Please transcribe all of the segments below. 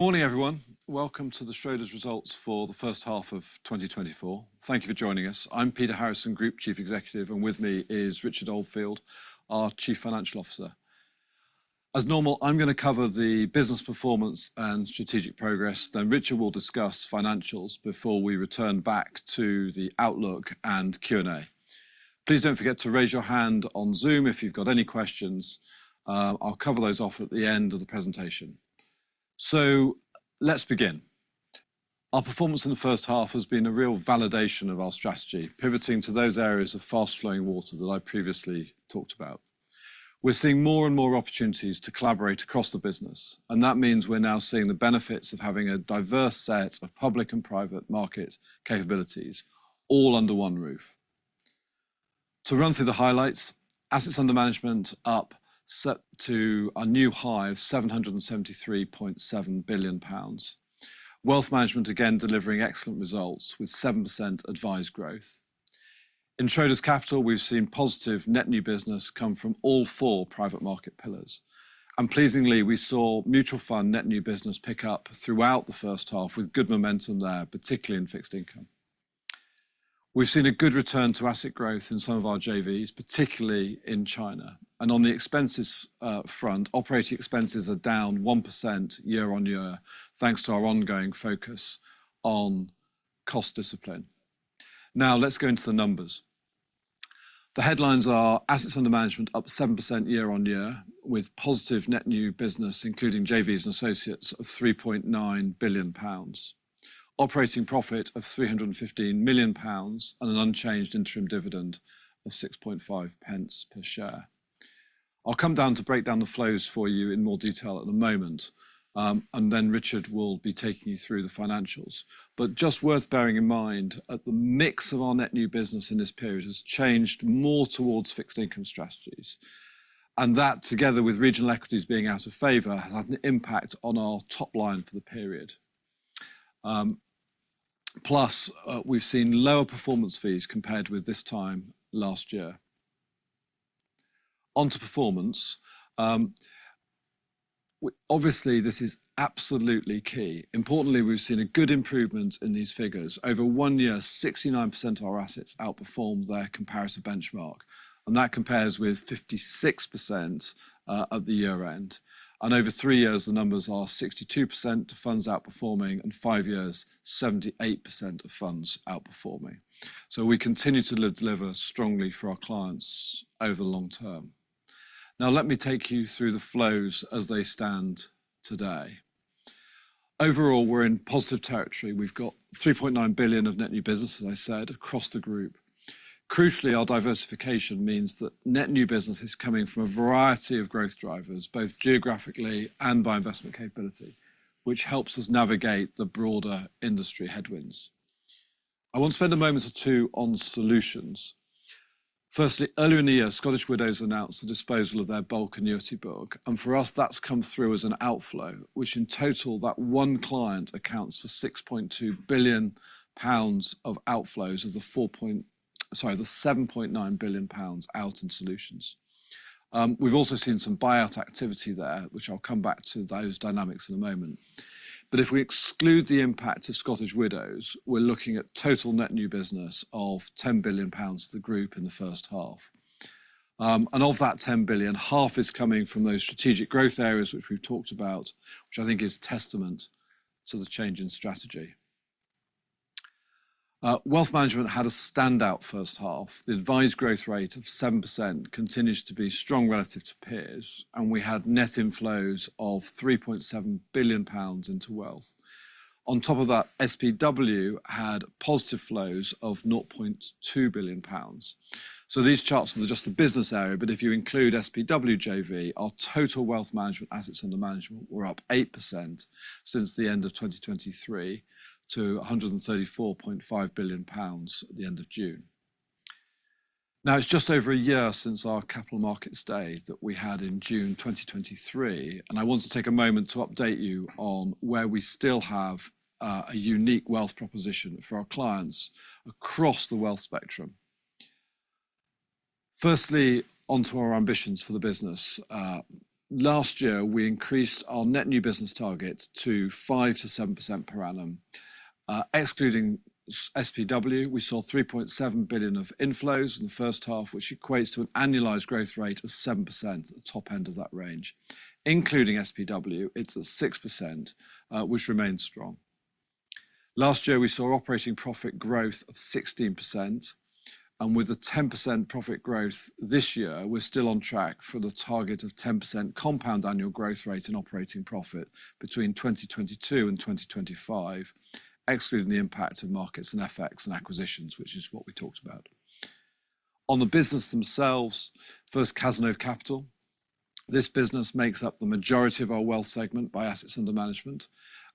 Morning, everyone. Welcome to the Schroders Results for H1 of 2024. Thank you for joining us. I'm Peter Harrison, Group Chief Executive, and with me is Richard Oldfield, our Chief Financial Officer. As normal, I'm going to cover the business performance and strategic progress. Then Richard will discuss financials before we return back to the outlook and Q&A. Please don't forget to raise your hand on Zoom if you've got any questions. I'll cover those off at the end of the presentation. So let's begin. Our performance in the H1 has been a real validation of our strategy, pivoting to those areas of fast-flowing water that I previously talked about. We're seeing more and more opportunities to collaborate across the business, and that means we're now seeing the benefits of having a diverse set of public and private market capabilities all under one roof. To run through the highlights, assets under management up to a new high of £773.7 billion. Wealth management again delivering excellent results with 7% advised growth. In Schroders Capital, we've seen positive net new business come from all four private market pillars. Pleasingly, we saw mutual fund net new business pick up throughout the H1 with good momentum there, particularly in fixed income. We've seen a good return to asset growth in some of our JVs, particularly in China. On the expenses front, operating expenses are down 1% year-on-year, thanks to our ongoing focus on cost discipline. Now let's go into the numbers. The headlines are assets under management up 7% year-on-year, with positive net new business, including JVs and associates, of £3.9 billion, operating profit of £315 million, and an unchanged interim dividend of £0.065 per share. I'll come down to break down the flows for you in more detail at the moment, and then Richard will be taking you through the financials. But just worth bearing in mind, the mix of our net new business in this period has changed more towards fixed income strategies, and that, together with regional equities being out of favour, has had an impact on our top line for the period. Plus, we've seen lower performance fees compared with this time last year. Onto performance. Obviously, this is absolutely key. Importantly, we've seen a good improvement in these figures. Over one year, 69% of our assets outperformed their comparative benchmark, and that compares with 56% at the year-end. And over three years, the numbers are 62% of funds outperforming and five years, 78% of funds outperforming. So we continue to deliver strongly for our clients over the long term. Now let me take you through the flows as they stand today. Overall, we're in positive territory. We've got 3.9 billion of net new business, as I said, across the group. Crucially, our diversification means that net new business is coming from a variety of growth drivers, both geographically and by investment capability, which helps us navigate the broader industry headwinds. I want to spend a moment or two on solutions. Firstly, earlier in the year, Scottish Widows announced the disposal of their bulk annuity book, and for us, that's come through as an outflow, which in total, that one client accounts for 6.2 billion pounds of outflows of the 7.9 billion pounds out in solutions. We've also seen some buyout activity there, which I'll come back to those dynamics in a moment. But if we exclude the impact of Scottish Widows, we're looking at total net new business of £10 billion to the group in H1. And of that £10 billion, half is coming from those strategic growth areas, which we've talked about, which I think is testament to the change in strategy. Wealth management had a standout H1. The advised growth rate of 7% continues to be strong relative to peers, and we had net inflows of £3.7 billion into wealth. On top of that, SPW had positive flows of £0.2 billion. So these charts are just the business area, but if you include SPW JV, our total wealth management assets under management were up 8% since the end of 2023 to £134.5 billion at the end of June. Now, it's just over a year since our capital markets day that we had in June 2023, and I want to take a moment to update you on where we still have a unique wealth proposition for our clients across the wealth spectrum. Firstly, onto our ambitions for the business. Last year, we increased our net new business target to 5%-7% per annum. Excluding SPW, we saw 3.7 billion of inflows in the H1, which equates to an annualized growth rate of 7%, the top end of that range. Including SPW, it's at 6%, which remains strong. Last year, we saw operating profit growth of 16%, and with a 10% profit growth this year, we're still on track for the target of 10% compound annual growth rate in operating profit between 2022 and 2025, excluding the impact of markets and FX and acquisitions, which is what we talked about. On the business themselves, first, Cazenove Capital. This business makes up the majority of our wealth segment by assets under management,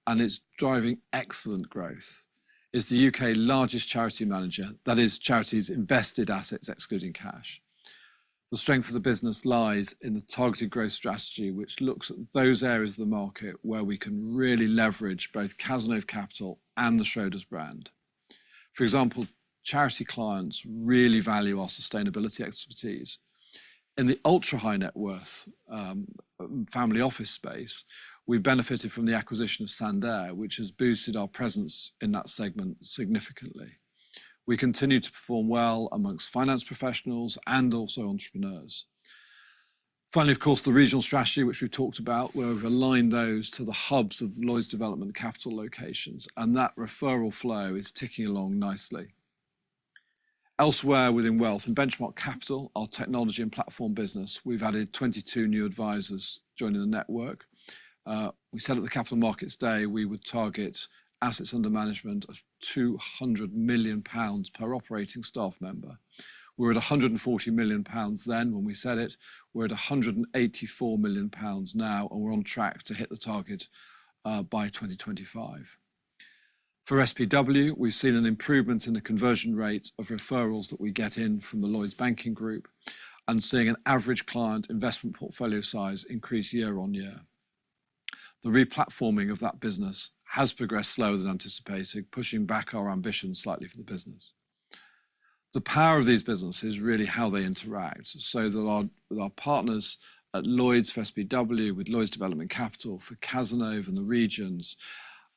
and it's driving excellent growth. It's the U.K.'s largest charity manager. That is, charities' invested assets, excluding cash. The strength of the business lies in the targeted growth strategy, which looks at those areas of the market where we can really leverage both Cazenove Capital and the Schroders brand. For example, charity clients really value our sustainability expertise. In the ultra-high net worth family office space, we've benefited from the acquisition of Sandaire, which has boosted our presence in that segment significantly. We continue to perform well amongst finance professionals and also entrepreneurs. Finally, of course, the regional strategy, which we've talked about, where we've aligned those to the hubs of Lloyds Development Capital locations, and that referral flow is ticking along nicely. Elsewhere within wealth and Benchmark Capital, our technology and platform business, we've added 22 new advisors joining the network. We said at the capital markets day we would target assets under management of 200 million pounds per operating staff member. We were at 140 million pounds then when we said it. We're at 184 million pounds now, and we're on track to hit the target by 2025. For SPW, we've seen an improvement in the conversion rate of referrals that we get in from the Lloyds Banking Group and seeing an average client investment portfolio size increase year on year. The replatforming of that business has progressed slower than anticipated, pushing back our ambition slightly for the business. The power of these businesses is really how they interact. So with our partners at Lloyds for SPW, with Lloyds Development Capital for Cazenove and the regions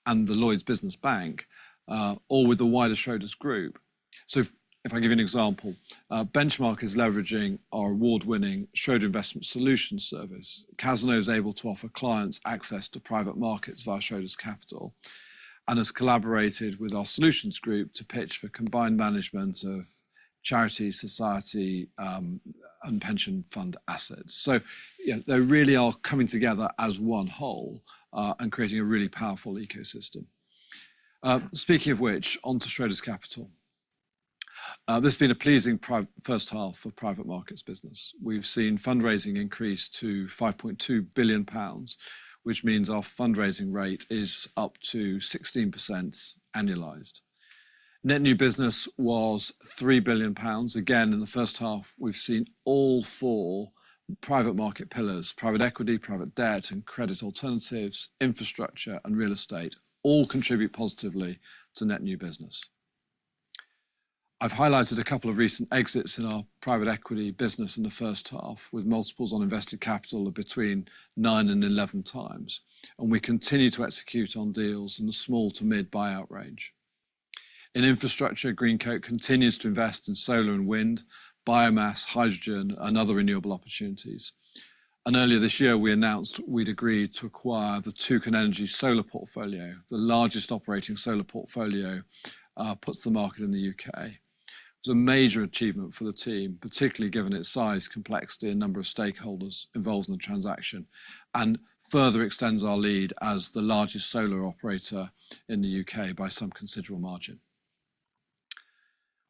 and the Lloyds Business Bank, or with the wider Schroders Group. So if I give you an example, Benchmark is leveraging our award-winning Schroder Investment Solutions service. Cazenove is able to offer clients access to private markets via Schroders Capital and has collaborated with our solutions group to pitch for combined management of charity, society, and pension fund assets. So they really are coming together as one whole and creating a really powerful ecosystem. Speaking of which, onto Schroders Capital. This has been a pleasing H1 for private markets business. We've seen fundraising increase to 5.2 billion pounds, which means our fundraising rate is up to 16% annualized. Net new business was 3 billion pounds. Again, in the H1, we've seen all four private market pillars, private equity, private debt, and credit alternatives, infrastructure, and real estate, all contribute positively to net new business. I've highlighted a couple of recent exits in our private equity business in the H1, with multiples on invested capital of between nine and 11 times, and we continue to execute on deals in the small to mid buyout range. In infrastructure, Greencoat continues to invest in solar and wind, biomass, hydrogen, and other renewable opportunities. Earlier this year, we announced we'd agreed to acquire the Toucan Energy solar portfolio, the largest operating solar portfolio put to the market in the U.K.. It was a major achievement for the team, particularly given its size, complexity, and number of stakeholders involved in the transaction, and further extends our lead as the largest solar operator in the U.K. by some considerable margin.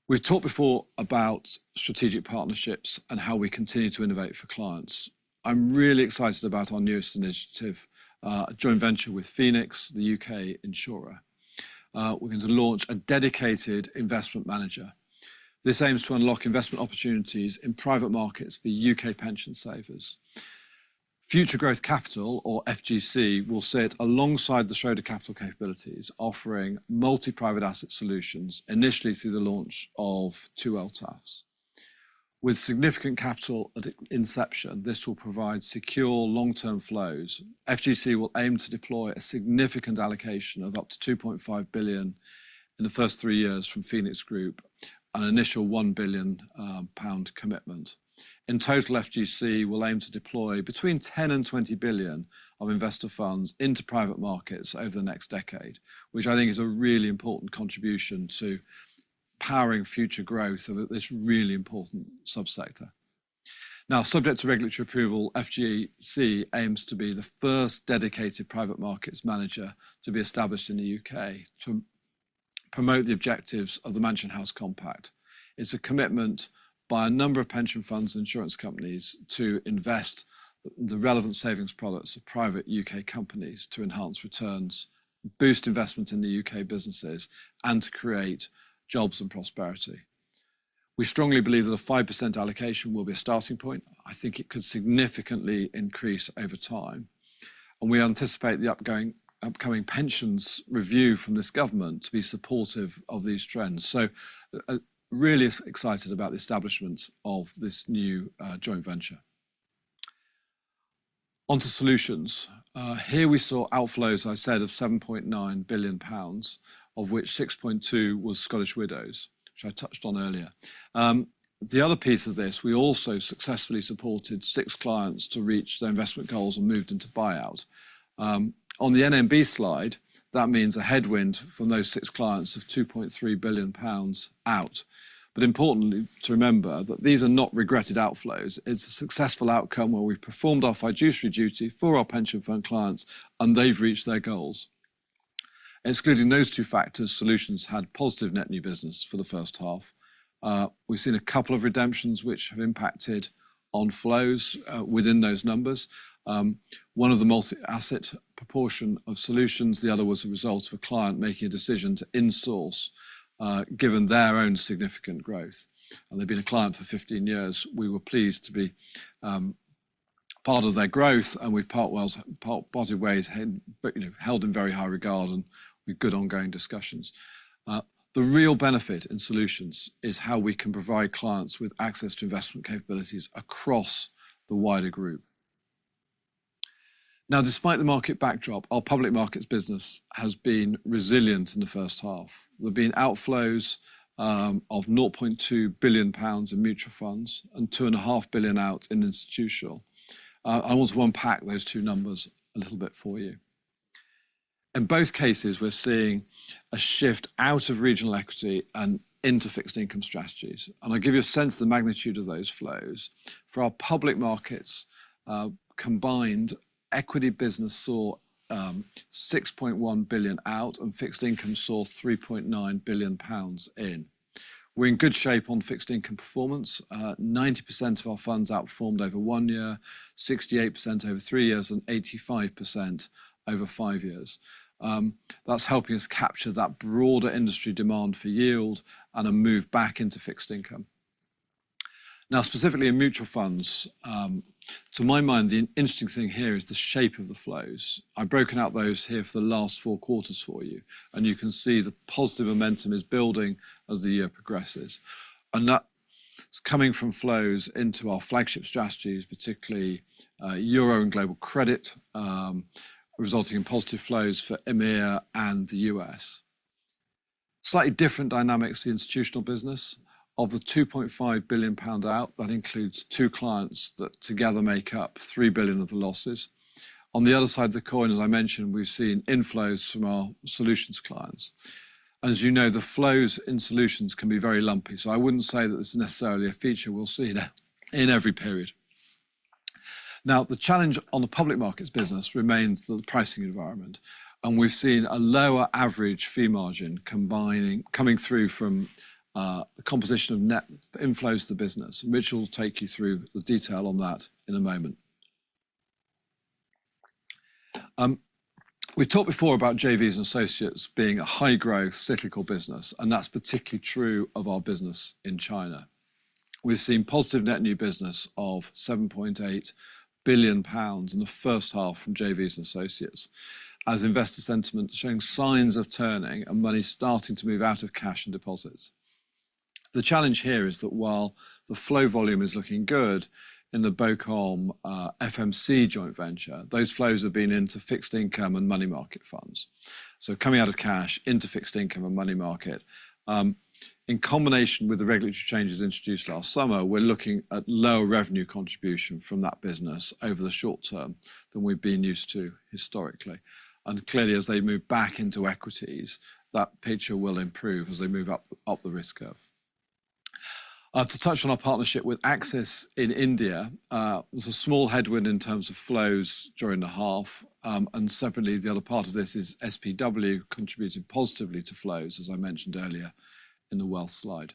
We've talked before about strategic partnerships and how we continue to innovate for clients. I'm really excited about our newest initiative, a joint venture with Phoenix, the U.K. insurer. We're going to launch a dedicated investment manager. This aims to unlock investment opportunities in private markets for U.K. pension savers. Future Growth Capital, or FGC, will sit alongside the Schroders Capital capabilities, offering multi-private asset solutions, initially through the launch of two LTAFs. With significant capital at inception, this will provide secure long-term flows. FGC will aim to deploy a significant allocation of up to £2.5 billion in the first three years from Phoenix Group, an initial £1 billion commitment. In total, FGC will aim to deploy between £10-£20 billion of investor funds into private markets over the next decade, which I think is a really important contribution to powering future growth of this really important subsector. Now, subject to regulatory approval, FGC aims to be the first dedicated private markets manager to be established in the U.K. to promote the objectives of the Mansion House Compact. It's a commitment by a number of pension funds and insurance companies to invest the relevant savings products of private U.K. companies to enhance returns, boost investment in the U.K. businesses, and to create jobs and prosperity. We strongly believe that a 5% allocation will be a starting point. I think it could significantly increase over time, and we anticipate the upcoming pensions review from this government to be supportive of these trends. So really excited about the establishment of this new joint venture. Onto solutions. Here we saw outflows, as I said, of £7.9 billion, of which £6.2 was Scottish Widows, which I touched on earlier. The other piece of this, we also successfully supported six clients to reach their investment goals and moved into buyout. On the NNB slide, that means a headwind from those six clients of £2.3 billion out. But importantly to remember that these are not regretted outflows. It's a successful outcome where we've performed our fiduciary duty for our pension fund clients, and they've reached their goals. Excluding those two factors, solutions had positive net new business for the H1. We've seen a couple of redemptions which have impacted on flows within those numbers. One of the multi-asset portion of solutions, the other was a result of a client making a decision to insource given their own significant growth. They've been a client for 15 years. We were pleased to be part of their growth, and we've parted ways held in very high regard and with good ongoing discussions. The real benefit in solutions is how we can provide clients with access to investment capabilities across the wider group. Now, despite the market backdrop, our public markets business has been resilient in the H1. There have been outflows of £0.2 billion in mutual funds and £2.5 billion out in institutional. I want to unpack those two numbers a little bit for you. In both cases, we're seeing a shift out of regional equity and into fixed income strategies. I'll give you a sense of the magnitude of those flows. For our public markets, combined equity business saw 6.1 billion out and fixed income saw 3.9 billion pounds in. We're in good shape on fixed income performance. 90% of our funds outperformed over one year, 68% over three years, and 85% over five years. That's helping us capture that broader industry demand for yield and a move back into fixed income. Now, specifically in mutual funds, to my mind, the interesting thing here is the shape of the flows. I've broken out those here for the last four quarters for you, and you can see the positive momentum is building as the year progresses. That's coming from flows into our flagship strategies, particularly euro and global credit, resulting in positive flows for EMEA and the U.S. Slightly different dynamics, the institutional business of the 2.5 billion pound out. That includes two clients that together make up 3 billion of the losses. On the other side of the coin, as I mentioned, we've seen inflows from our solutions clients. As you know, the flows in solutions can be very lumpy, so I wouldn't say that this is necessarily a feature we'll see in every period. Now, the challenge on the public markets business remains the pricing environment, and we've seen a lower average fee margin coming through from the composition of net inflows to the business, which will take you through the detail on that in a moment. We've talked before about JVs and associates being a high-growth cyclical business, and that's particularly true of our business in China. We've seen positive net new business of 7.8 billion pounds in the H1 from JVs and associates, as investor sentiment showing signs of turning and money starting to move out of cash and deposits. The challenge here is that while the flow volume is looking good in the BOCOM FMC joint venture, those flows have been into fixed income and money market funds. Coming out of cash into fixed income and money market, in combination with the regulatory changes introduced last summer, we're looking at lower revenue contribution from that business over the short term than we've been used to historically. Clearly, as they move back into equities, that picture will improve as they move up the risk curve. To touch on our partnership with Axis in India, there's a small headwind in terms of flows during the half, and separately, the other part of this is SPW contributing positively to flows, as I mentioned earlier in the wealth slide.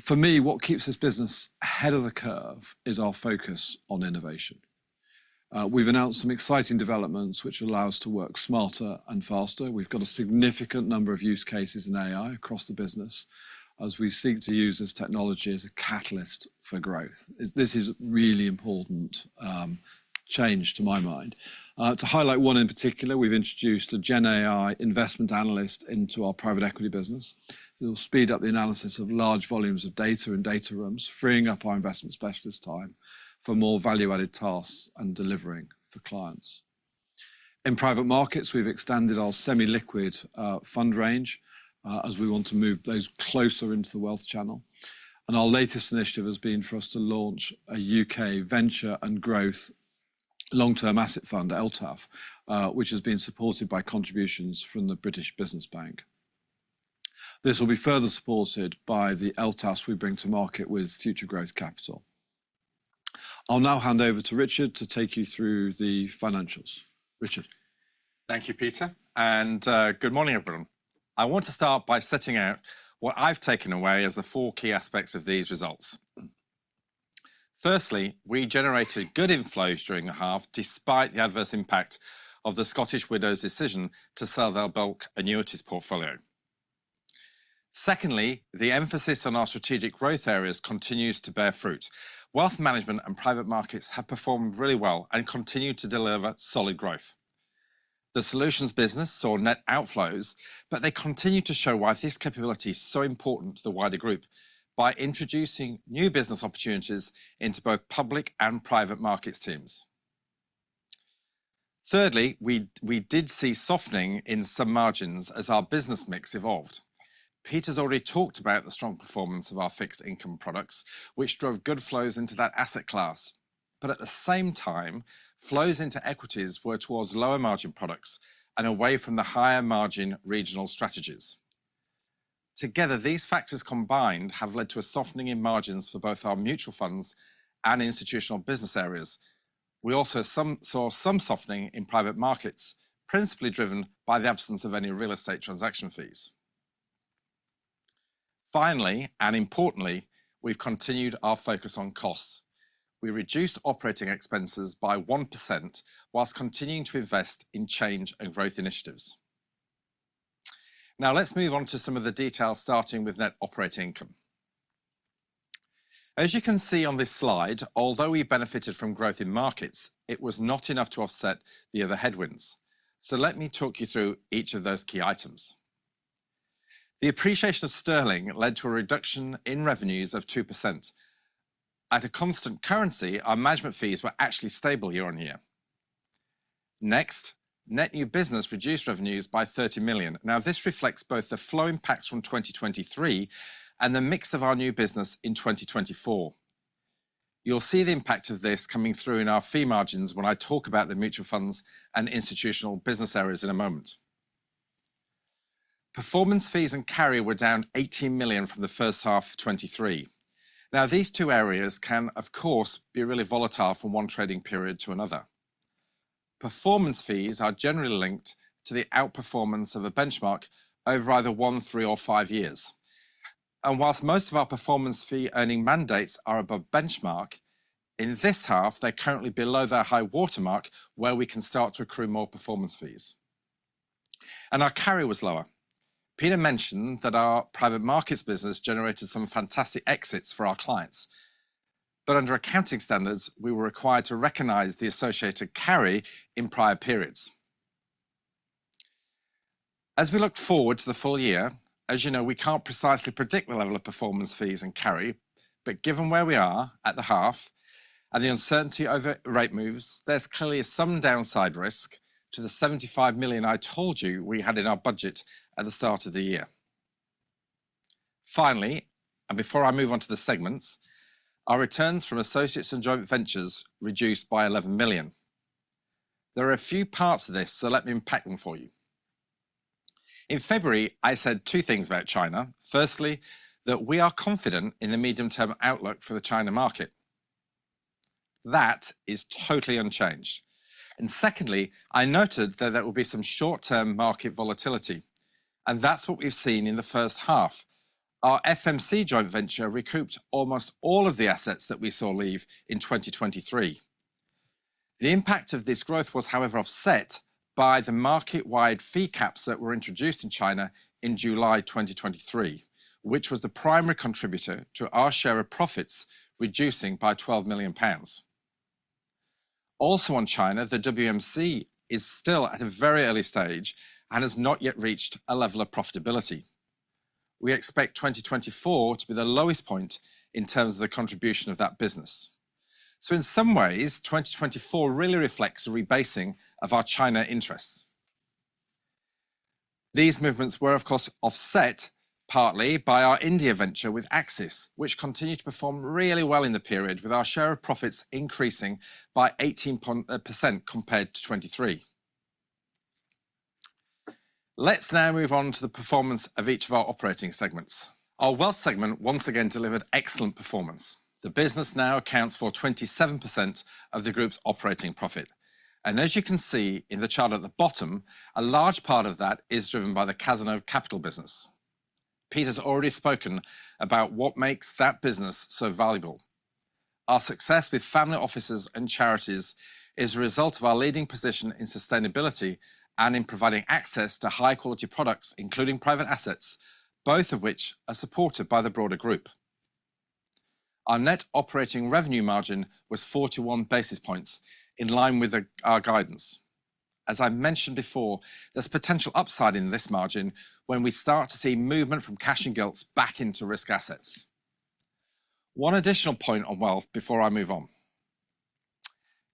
For me, what keeps this business ahead of the curve is our focus on innovation. We've announced some exciting developments which allow us to work smarter and faster. We've got a significant number of use cases in AI across the business as we seek to use this technology as a catalyst for growth. This is a really important change to my mind. To highlight one in particular, we've introduced a GenAI investment analyst into our private equity business. It'll speed up the analysis of large volumes of data in data rooms, freeing up our investment specialist time for more value-added tasks and delivering for clients. In private markets, we've extended our semi-liquid fund range as we want to move those closer into the wealth channel. And our latest initiative has been for us to launch a U.K. Venture and Growth Long-Term Asset Fund, LTAF, which has been supported by contributions from the British Business Bank. This will be further supported by the LTAFs we bring to market with Future Growth Capital. I'll now hand over to Richard to take you through the financials. Richard. Thank you, Peter, and good morning, everyone. I want to start by setting out what I've taken away as the four key aspects of these results. Firstly, we generated good inflows during the half despite the adverse impact of the Scottish Widows' decision to sell their bulk annuities portfolio. Secondly, the emphasis on our strategic growth areas continues to bear fruit. Wealth management and private markets have performed really well and continue to deliver solid growth. The solutions business saw net outflows, but they continue to show why this capability is so important to the wider group by introducing new business opportunities into both public and private markets teams. Thirdly, we did see softening in some margins as our business mix evolved. Peter's already talked about the strong performance of our fixed income products, which drove good flows into that asset class. But at the same time, flows into equities were towards lower margin products and away from the higher margin regional strategies. Together, these factors combined have led to a softening in margins for both our mutual funds and institutional business areas. We also saw some softening in private markets, principally driven by the absence of any real estate transaction fees. Finally, and importantly, we've continued our focus on costs. We reduced operating expenses by 1% while continuing to invest in change and growth initiatives. Now, let's move on to some of the details, starting with net operating income. As you can see on this slide, although we benefited from growth in markets, it was not enough to offset the other headwinds. So let me talk you through each of those key items. The appreciation of sterling led to a reduction in revenues of 2%. At a constant currency, our management fees were actually stable year on year. Next, net new business reduced revenues by £30 million. Now, this reflects both the flow impacts from 2023 and the mix of our new business in 2024. You'll see the impact of this coming through in our fee margins when I talk about the mutual funds and institutional business areas in a moment. Performance fees and carry were down £18 million from the H1 of 2023. Now, these two areas can, of course, be really volatile from one trading period to another. Performance fees are generally linked to the outperformance of a benchmark over either one, three, or five years. While most of our performance fee earning mandates are above benchmark, in this half, they're currently below their high watermark where we can start to accrue more performance fees. Our carry was lower. Peter mentioned that our private markets business generated some fantastic exits for our clients. But under accounting standards, we were required to recognize the associated carry in prior periods. As we look forward to the full year, as you know, we can't precisely predict the level of performance fees and carry, but given where we are at the half and the uncertainty over rate moves, there's clearly some downside risk to the 75 million I told you we had in our budget at the start of the year. Finally, and before I move on to the segments, our returns from associates and joint ventures reduced by 11 million. There are a few parts of this, so let me unpack them for you. In February, I said two things about China. Firstly, that we are confident in the medium-term outlook for the China market. That is totally unchanged. And secondly, I noted that there will be some short-term market volatility. And that's what we've seen in the H1. Our FMC joint venture recouped almost all of the assets that we saw leave in 2023. The impact of this growth was, however, offset by the market-wide fee caps that were introduced in China in July 2023, which was the primary contributor to our share of profits reducing by 12 million pounds. Also on China, the WMC is still at a very early stage and has not yet reached a level of profitability. We expect 2024 to be the lowest point in terms of the contribution of that business. So in some ways, 2024 really reflects a rebasing of our China interests. These movements were, of course, offset partly by our India venture with Axis, which continued to perform really well in the period, with our share of profits increasing by 18% compared to 2023. Let's now move on to the performance of each of our operating segments. Our wealth segment once again delivered excellent performance. The business now accounts for 27% of the group's operating profit. As you can see in the chart at the bottom, a large part of that is driven by the Cazenove Capital business. Peter's already spoken about what makes that business so valuable. Our success with family offices and charities is a result of our leading position in sustainability and in providing access to high-quality products, including private assets, both of which are supported by the broader group. Our net operating revenue margin was 41 basis points in line with our guidance. As I mentioned before, there's potential upside in this margin when we start to see movement from cash and gilts back into risk assets. One additional point on wealth before I move on.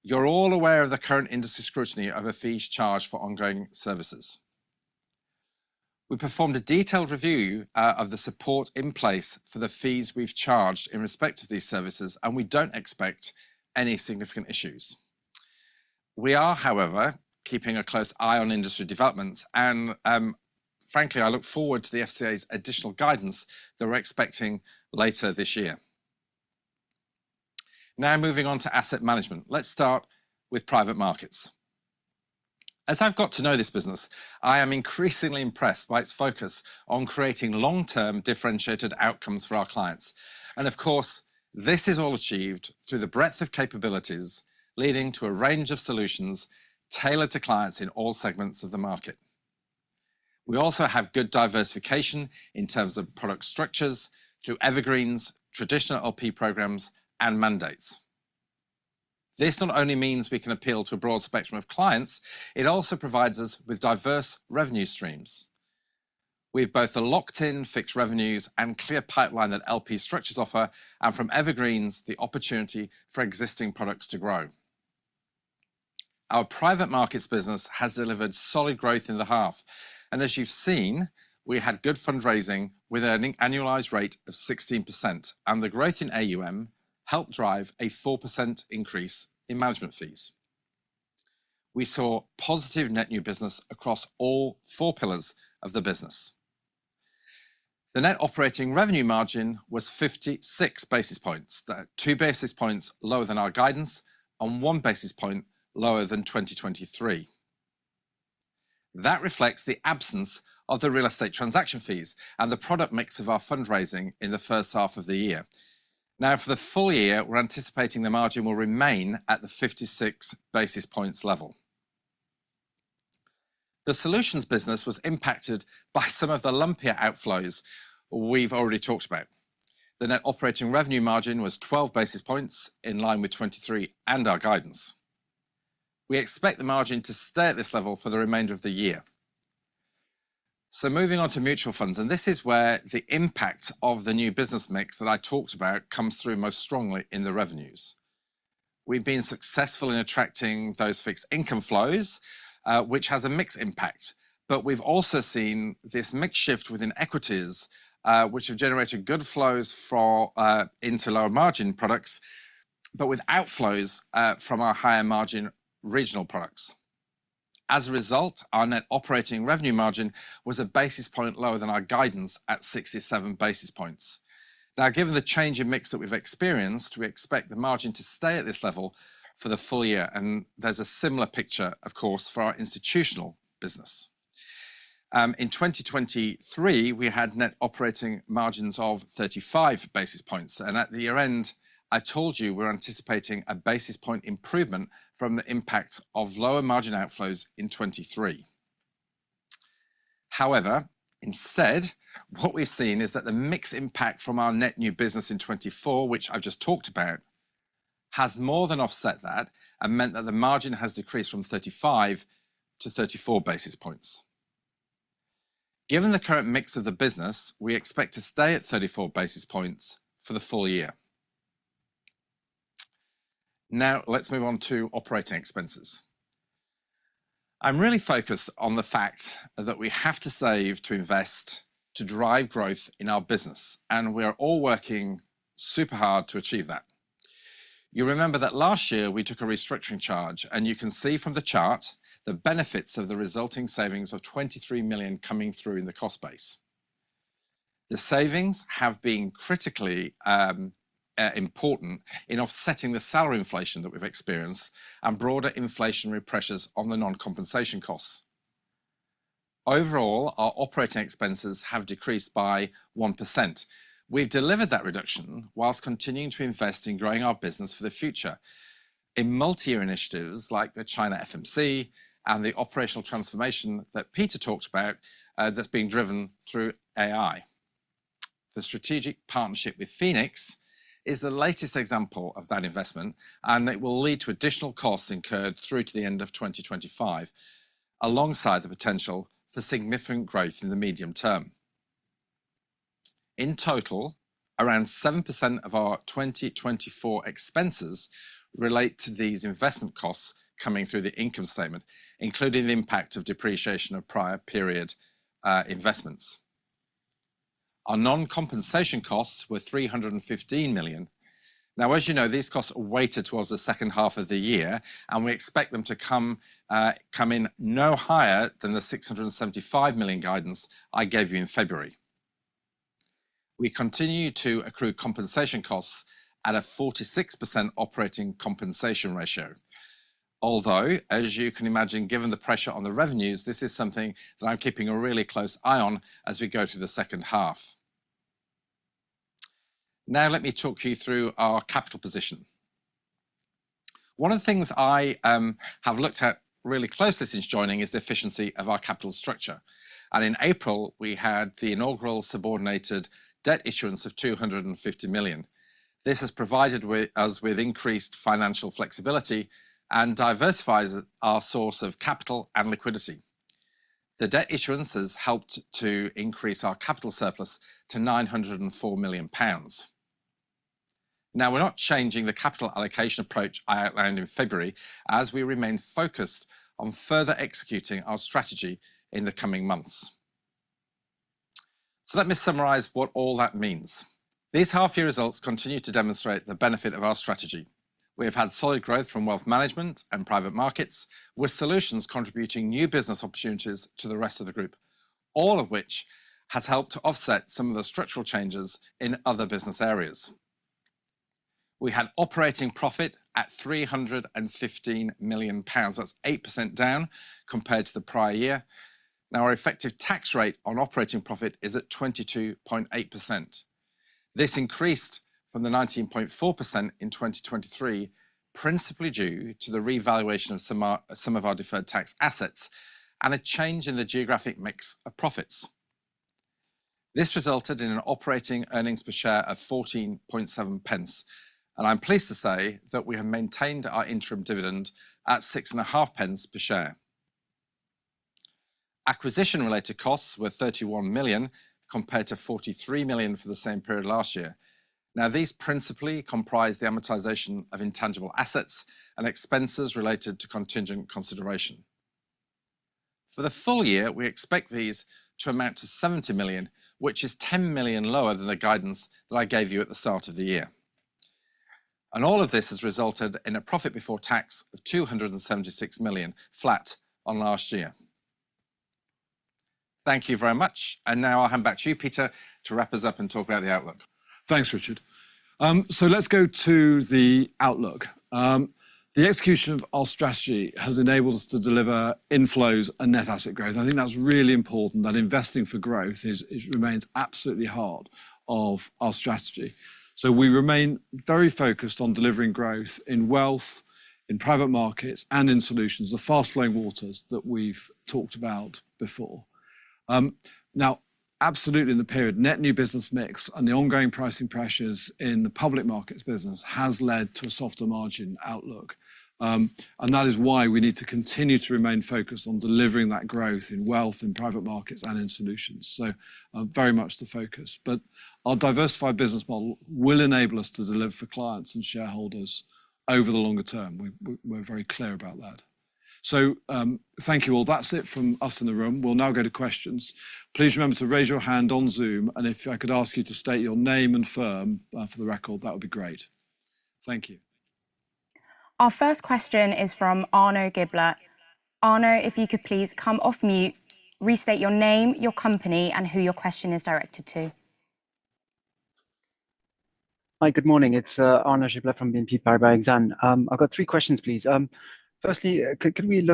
You're all aware of the current industry scrutiny of the fees charged for ongoing services. We performed a detailed review of the support in place for the fees we've charged in respect of these services, and we don't expect any significant issues. We are, however, keeping a close eye on industry developments, and frankly, I look forward to the FCA's additional guidance that we're expecting later this year. Now, moving on to asset management, let's start with private markets. As I've got to know this business, I am increasingly impressed by its focus on creating long-term differentiated outcomes for our clients. And of course, this is all achieved through the breadth of capabilities leading to a range of solutions tailored to clients in all segments of the market. We also have good diversification in terms of product structures through evergreens, traditional LP programs, and mandates. This not only means we can appeal to a broad spectrum of clients, it also provides us with diverse revenue streams. We have both the locked-in fixed revenues and clear pipeline that LP structures offer, and from evergreens, the opportunity for existing products to grow. Our private markets business has delivered solid growth in the half. And as you've seen, we had good fundraising with an annualized rate of 16%, and the growth in AUM helped drive a 4% increase in management fees. We saw positive net new business across all four pillars of the business. The net operating revenue margin was 56 basis points, two basis points lower than our guidance, and one basis point lower than 2023. That reflects the absence of the real estate transaction fees and the product mix of our fundraising in the H1 of the year. Now, for the full year, we're anticipating the margin will remain at the 56 basis points level. The solutions business was impacted by some of the LDI outflows we've already talked about. The net operating revenue margin was 12 basis points in line with 2023 and our guidance. We expect the margin to stay at this level for the remainder of the year. So moving on to mutual funds, and this is where the impact of the new business mix that I talked about comes through most strongly in the revenues. We've been successful in attracting those fixed income flows, which has a mixed impact, but we've also seen this mix shift within equities, which have generated good flows into lower margin products, but with outflows from our higher margin regional products. As a result, our net operating revenue margin was 1 basis point lower than our guidance at 67 basis points. Now, given the change in mix that we've experienced, we expect the margin to stay at this level for the full year. And there's a similar picture, of course, for our institutional business. In 2023, we had net operating margins of 35 basis points. And at the year end, I told you we're anticipating 1 basis point improvement from the impact of lower margin outflows in 2023. However, instead, what we've seen is that the mixed impact from our net new business in 2024, which I've just talked about, has more than offset that and meant that the margin has decreased from 35 to 34 basis points. Given the current mix of the business, we expect to stay at 34 basis points for the full year. Now, let's move on to operating expenses. I'm really focused on the fact that we have to save to invest to drive growth in our business, and we are all working super hard to achieve that. You remember that last year we took a restructuring charge, and you can see from the chart the benefits of the resulting savings of 23 million coming through in the cost base. The savings have been critically important in offsetting the salary inflation that we've experienced and broader inflationary pressures on the non-compensation costs. Overall, our operating expenses have decreased by 1%. We've delivered that reduction while continuing to invest in growing our business for the future in multi-year initiatives like the China FMC and the operational transformation that Peter talked about that's being driven through AI. The strategic partnership with Phoenix is the latest example of that investment, and it will lead to additional costs incurred through to the end of 2025, alongside the potential for significant growth in the medium term. In total, around 7% of our 2024 expenses relate to these investment costs coming through the income statement, including the impact of depreciation of prior period investments. Our non-compensation costs were 315 million. Now, as you know, these costs are weighted towards the second half of the year, and we expect them to come in no higher than the 675 million guidance I gave you in February. We continue to accrue compensation costs at a 46% operating compensation ratio, although, as you can imagine, given the pressure on the revenues, this is something that I'm keeping a really close eye on as we go through the second half. Now, let me talk you through our capital position. One of the things I have looked at really closely since joining is the efficiency of our capital structure. And in April, we had the inaugural subordinated debt issuance of £250 million. This has provided us with increased financial flexibility and diversifies our source of capital and liquidity. The debt issuances helped to increase our capital surplus to £904 million. Now, we're not changing the capital allocation approach I outlined in February as we remain focused on further executing our strategy in the coming months. So let me summarize what all that means. These half-year results continue to demonstrate the benefit of our strategy. We have had solid growth from wealth management and private markets, with solutions contributing new business opportunities to the rest of the group, all of which has helped to offset some of the structural changes in other business areas. We had operating profit at £315 million. That's 8% down compared to the prior year. Now, our effective tax rate on operating profit is at 22.8%. This increased from the 19.4% in 2023, principally due to the revaluation of some of our deferred tax assets and a change in the geographic mix of profits. This resulted in an operating earnings per share of £14.70. And I'm pleased to say that we have maintained our interim dividend at £6.50 per share. Acquisition-related costs were £31 compared to 43 million for the same period last year. Now, these principally comprise the amortization of intangible assets and expenses related to contingent consideration. For the full year, we expect these to amount to 70 million, which is 10 million lower than the guidance that I gave you at the start of the year. And all of this has resulted in a profit before tax of 276 million, flat on last year. Thank you very much. And now I'll hand back to you, Peter, to wrap us up and talk about the outlook. Thanks, Richard. So let's go to the outlook. The execution of our strategy has enabled us to deliver inflows and net asset growth. I think that's really important that investing for growth remains absolutely heart of our strategy. So we remain very focused on delivering growth in wealth, in private markets, and in solutions, the fast-flowing waters that we've talked about before. Now, absolutely in the period, net new business mix and the ongoing pricing pressures in the public markets business has led to a softer margin outlook. And that is why we need to continue to remain focused on delivering that growth in wealth, in private markets, and in solutions. So very much the focus. But our diversified business model will enable us to deliver for clients and shareholders over the longer term. We're very clear about that. So thank you all. That's it from us in the room. We'll now go to questions. Please remember to raise your hand on Zoom. And if I could ask you to state your name and firm for the record, that would be great. Thank you. Our first question is from Arnaud Giblat. Arnaud, if you could please come off mute, restate your name, your company, and who your question is directed to. Hi, good morning. It's Arnaud Giblat from BNP Paribas Exane. I've got three questions, please. Firstly, can you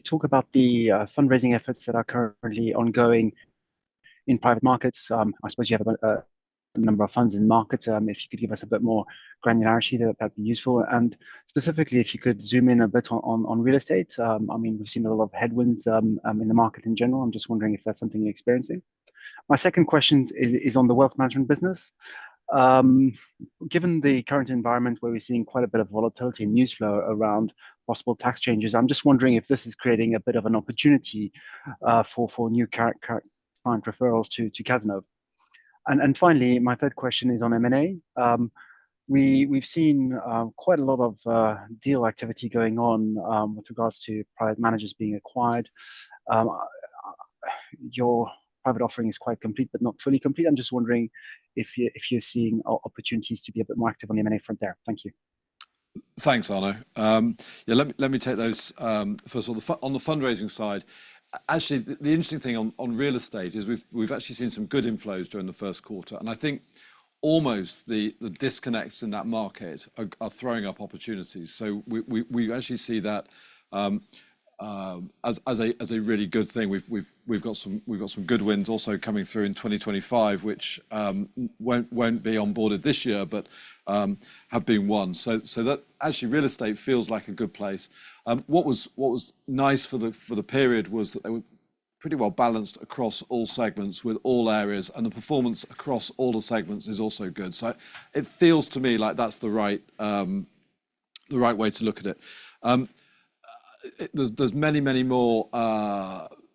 talk about the fundraising efforts that are currently ongoing in private markets? I suppose you have a number of funds in market. If you could give us a bit more granularity, that'd be useful. And specifically, if you could zoom in a bit on real estate. I mean, we've seen a lot of headwinds in the market in general. I'm just wondering if that's something you're experiencing. My second question is on the wealth management business. Given the current environment where we're seeing quite a bit of volatility and news flow around possible tax changes, I'm just wondering if this is creating a bit of an opportunity for new client referrals to Cazenove. And finally, my third question is on M&A. We've seen quite a lot of deal activity going on with regards to private managers being acquired. Your private offering is quite complete, but not fully complete. I'm just wondering if you're seeing opportunities to be a bit more active on the M&A front there. Thank you. Thanks, Arnaud. Yeah, let me take those first on the fundraising side. Actually, the interesting thing on real estate is we've actually seen some good inflows during the Q1. And I think almost the disconnects in that market are throwing up opportunities. So we actually see that as a really good thing. We've got some good wins also coming through in 2025, which won't be onboarded this year, but have been won. So that actually real estate feels like a good place. What was nice for the period was that they were pretty well balanced across all segments with all areas, and the performance across all the segments is also good. So it feels to me like that's the right way to look at it. There's many, many more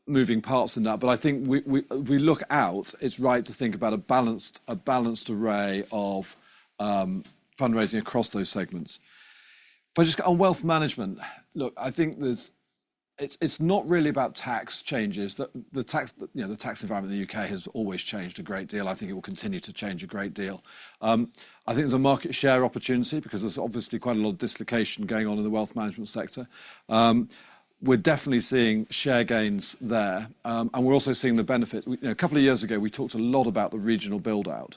moving parts in that, but I think we look out, it's right to think about a balanced array of fundraising across those segments. If I just get on wealth management, look, I think it's not really about tax changes. The tax environment in the U.K. has always changed a great deal. I think it will continue to change a great deal. I think there's a market share opportunity because there's obviously quite a lot of dislocation going on in the wealth management sector. We're definitely seeing share gains there. And we're also seeing the benefit. A couple of years ago, we talked a lot about the regional buildout.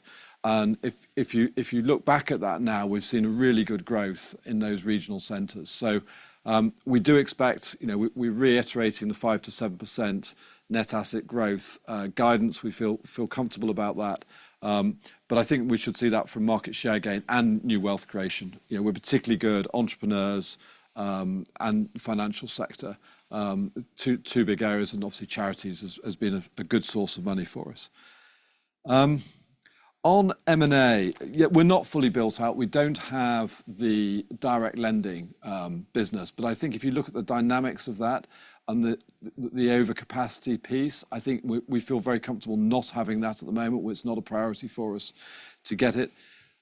If you look back at that now, we've seen really good growth in those regional centers. So we do expect, we're reiterating the 5%-7% net asset growth guidance. We feel comfortable about that. But I think we should see that from market share gain and new wealth creation. We're particularly good entrepreneurs and financial sector. Two big areas and obviously charities has been a good source of money for us. On M&A, we're not fully built out. We don't have the direct lending business. But I think if you look at the dynamics of that and the overcapacity piece, I think we feel very comfortable not having that at the moment. It's not a priority for us to get it.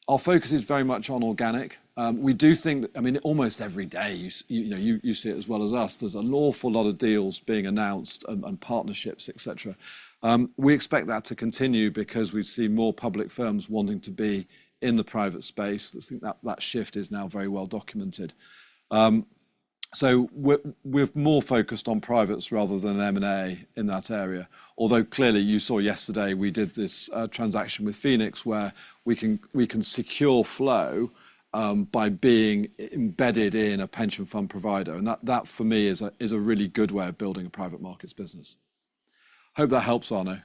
Our focus is very much on organic. We do think, I mean, almost every day you see it as well as us. There's an awful lot of deals being announced and partnerships, etc. We expect that to continue because we've seen more public firms wanting to be in the private space. I think that shift is now very well documented. So we're more focused on privates rather than M&A in that area. Although clearly, you saw yesterday we did this transaction with Phoenix where we can secure flow by being embedded in a pension fund provider. And that for me is a really good way of building a private markets business. Hope that helps, Arno.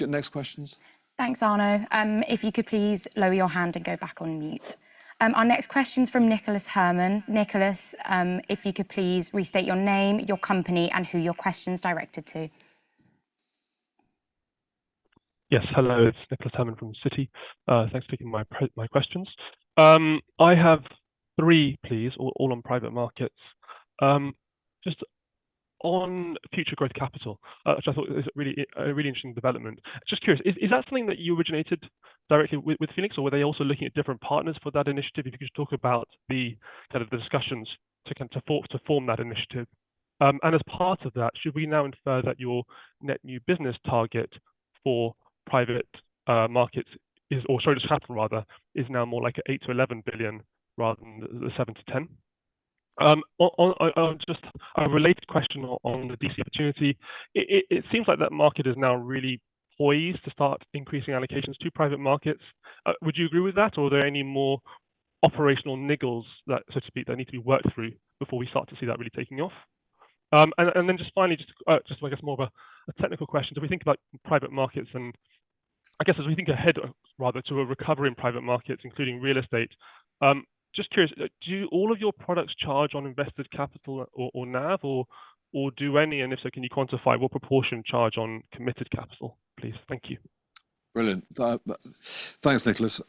Next questions. Thanks, Arno. If you could please lower your hand and go back on mute. Our next question is from Nicholas Herman. Nicholas, if you could please restate your name, your company, and who your question's directed to. Yes, hello. It's Nicholas Herman from Citi. Thanks for taking my questions. I have three, please, all on private markets. Just on Future Growth Capital, which I thought is a really interesting development. Just curious, is that something that you originated directly with Phoenix, or were they also looking at different partners for that initiative? If you could just talk about the kind of discussions to form that initiative. And as part of that, should we now infer that your net new business target for private markets, or sorry, just Capital rather, is now more like 8 - 11 billion rather than the 7- 10 billion? Just a related question on the DC opportunity. It seems like that market is now really poised to start increasing allocations to private markets. Would you agree with that, or are there any more operational niggles, so to speak, that need to be worked through before we start to see that really taking off? And then just finally, just I guess more of a technical question. Do we think about private markets and I guess as we think ahead rather to a recovery in private markets, including real estate, just curious, do all of your products charge on invested capital or NAV, or do any, and if so, can you quantify what proportion charge on committed capital, please? Thank you. Brilliant. Thanks, Nicholas.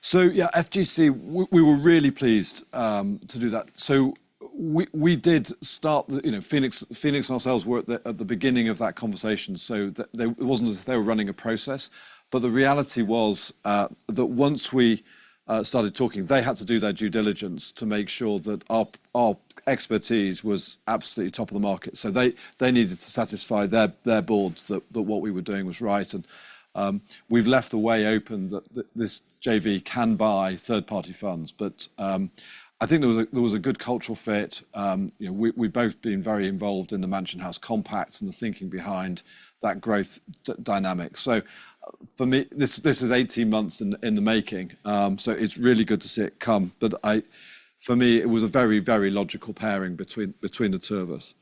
So yeah, FGC, we were really pleased to do that. So we did start the Phoenix and ourselves were at the beginning of that conversation. So it wasn't as if they were running a process, but the reality was that once we started talking, they had to do their due diligence to make sure that our expertise was absolutely top of the market. So they needed to satisfy their boards that what we were doing was right. And we've left the way open that this JV can buy third-party funds. But I think there was a good cultural fit. We've both been very involved in the Mansion House Compacts and the thinking behind that growth dynamic. So for me, this is 18 months in the making. So it's really good to see it come. But for me, it was a very, very logical pairing between the two of us.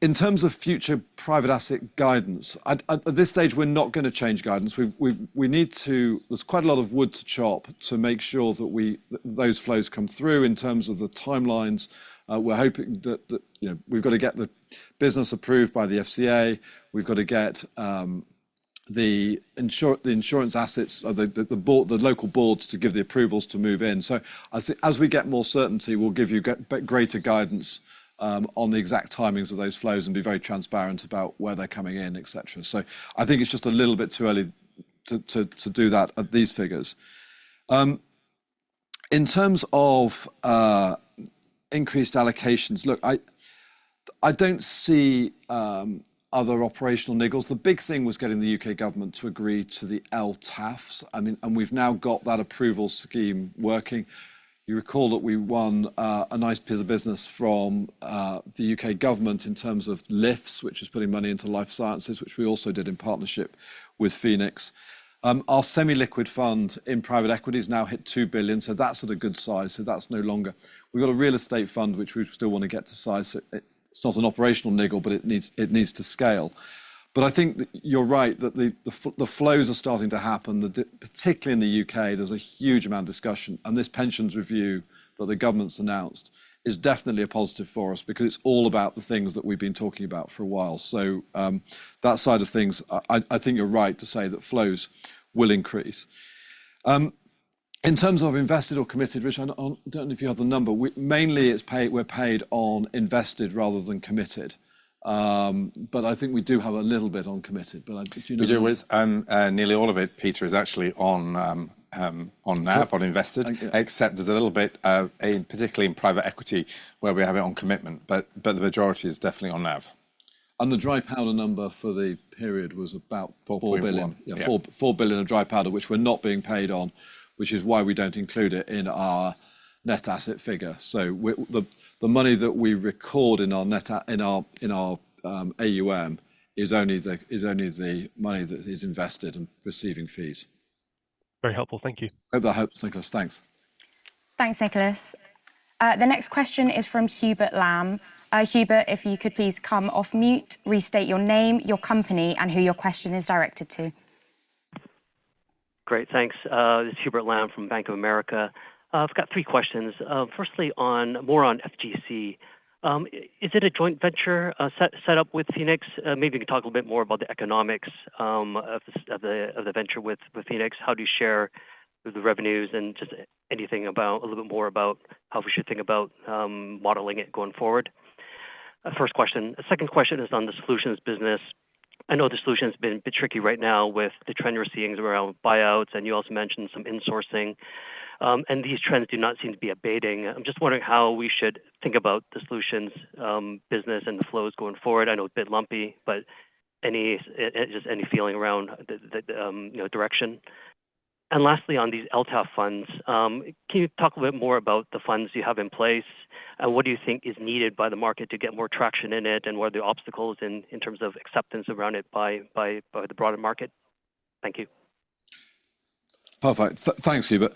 In terms of future private asset guidance, at this stage, we're not going to change guidance. We need to, there's quite a lot of wood to chop to make sure that those flows come through. In terms of the timelines, we're hoping that we've got to get the business approved by the FCA. We've got to get the insurance assets, the local boards to give the approvals to move in. So as we get more certainty, we'll give you greater guidance on the exact timings of those flows and be very transparent about where they're coming in, etc. So I think it's just a little bit too early to do that at these figures. In terms of increased allocations, look, I don't see other operational niggles. The big thing was getting the U.K. government to agree to the LTAFs. I mean, and we've now got that approval scheme working. You recall that we won a nice piece of business from the U.K. government in terms of LIFTS, which is putting money into life sciences, which we also did in partnership with Phoenix. Our semi-liquid fund in private equity has now hit 2 billion. So that's at a good size. So that's no longer we've got a real estate fund, which we still want to get to size. It's not an operational niggle, but it needs to scale. But I think you're right that the flows are starting to happen, particularly in the U.K.. There's a huge amount of discussion. And this pensions review that the government's announced is definitely a positive for us because it's all about the things that we've been talking about for a while. So that side of things, I think you're right to say that flows will increase. In terms of invested or committed, which I don't know if you have the number, mainly we're paid on invested rather than committed. But I think we do have a little bit on committed. But you know. We do with it. And nearly all of it, Peter, is actually on NAV, on invested, except there's a little bit, particularly in private equity where we have it on commitment. But the majority is definitely on NAV. And the dry powder number for the period was about 4 billion. Yeah, 4 billion of dry powder, which we're not being paid on, which is why we don't include it in our net asset figure. So the money that we record in our AUM is only the money that is invested and receiving fees. Very helpful. Thank you. Hope that helps. Thanks. Thanks, Nicholas. The next question is from Hubert Lam. Hubert, if you could please come off mute, restate your name, your company, and who your question is directed to. Great. Thanks. This is Hubert Lam from Bank of America. I've got three questions. Firstly, more on FGC. Is it a joint venture set up with Phoenix? Maybe you can talk a little bit more about the economics of the venture with Phoenix. How do you share the revenues and just anything about a little bit more about how we should think about modeling it going forward? First question. Second question is on the solutions business. I know the solution has been a bit tricky right now with the trend we're seeing around buyouts, and you also mentioned some insourcing. And these trends do not seem to be abating. I'm just wondering how we should think about the solutions business and the flows going forward. I know it's a bit lumpy, but just any feeling around the direction. And lastly, on these LTAF funds, can you talk a bit more about the funds you have in place? What do you think is needed by the market to get more traction in it, and what are the obstacles in terms of acceptance around it by the broader market? Thank you. Perfect. Thanks, Hubert.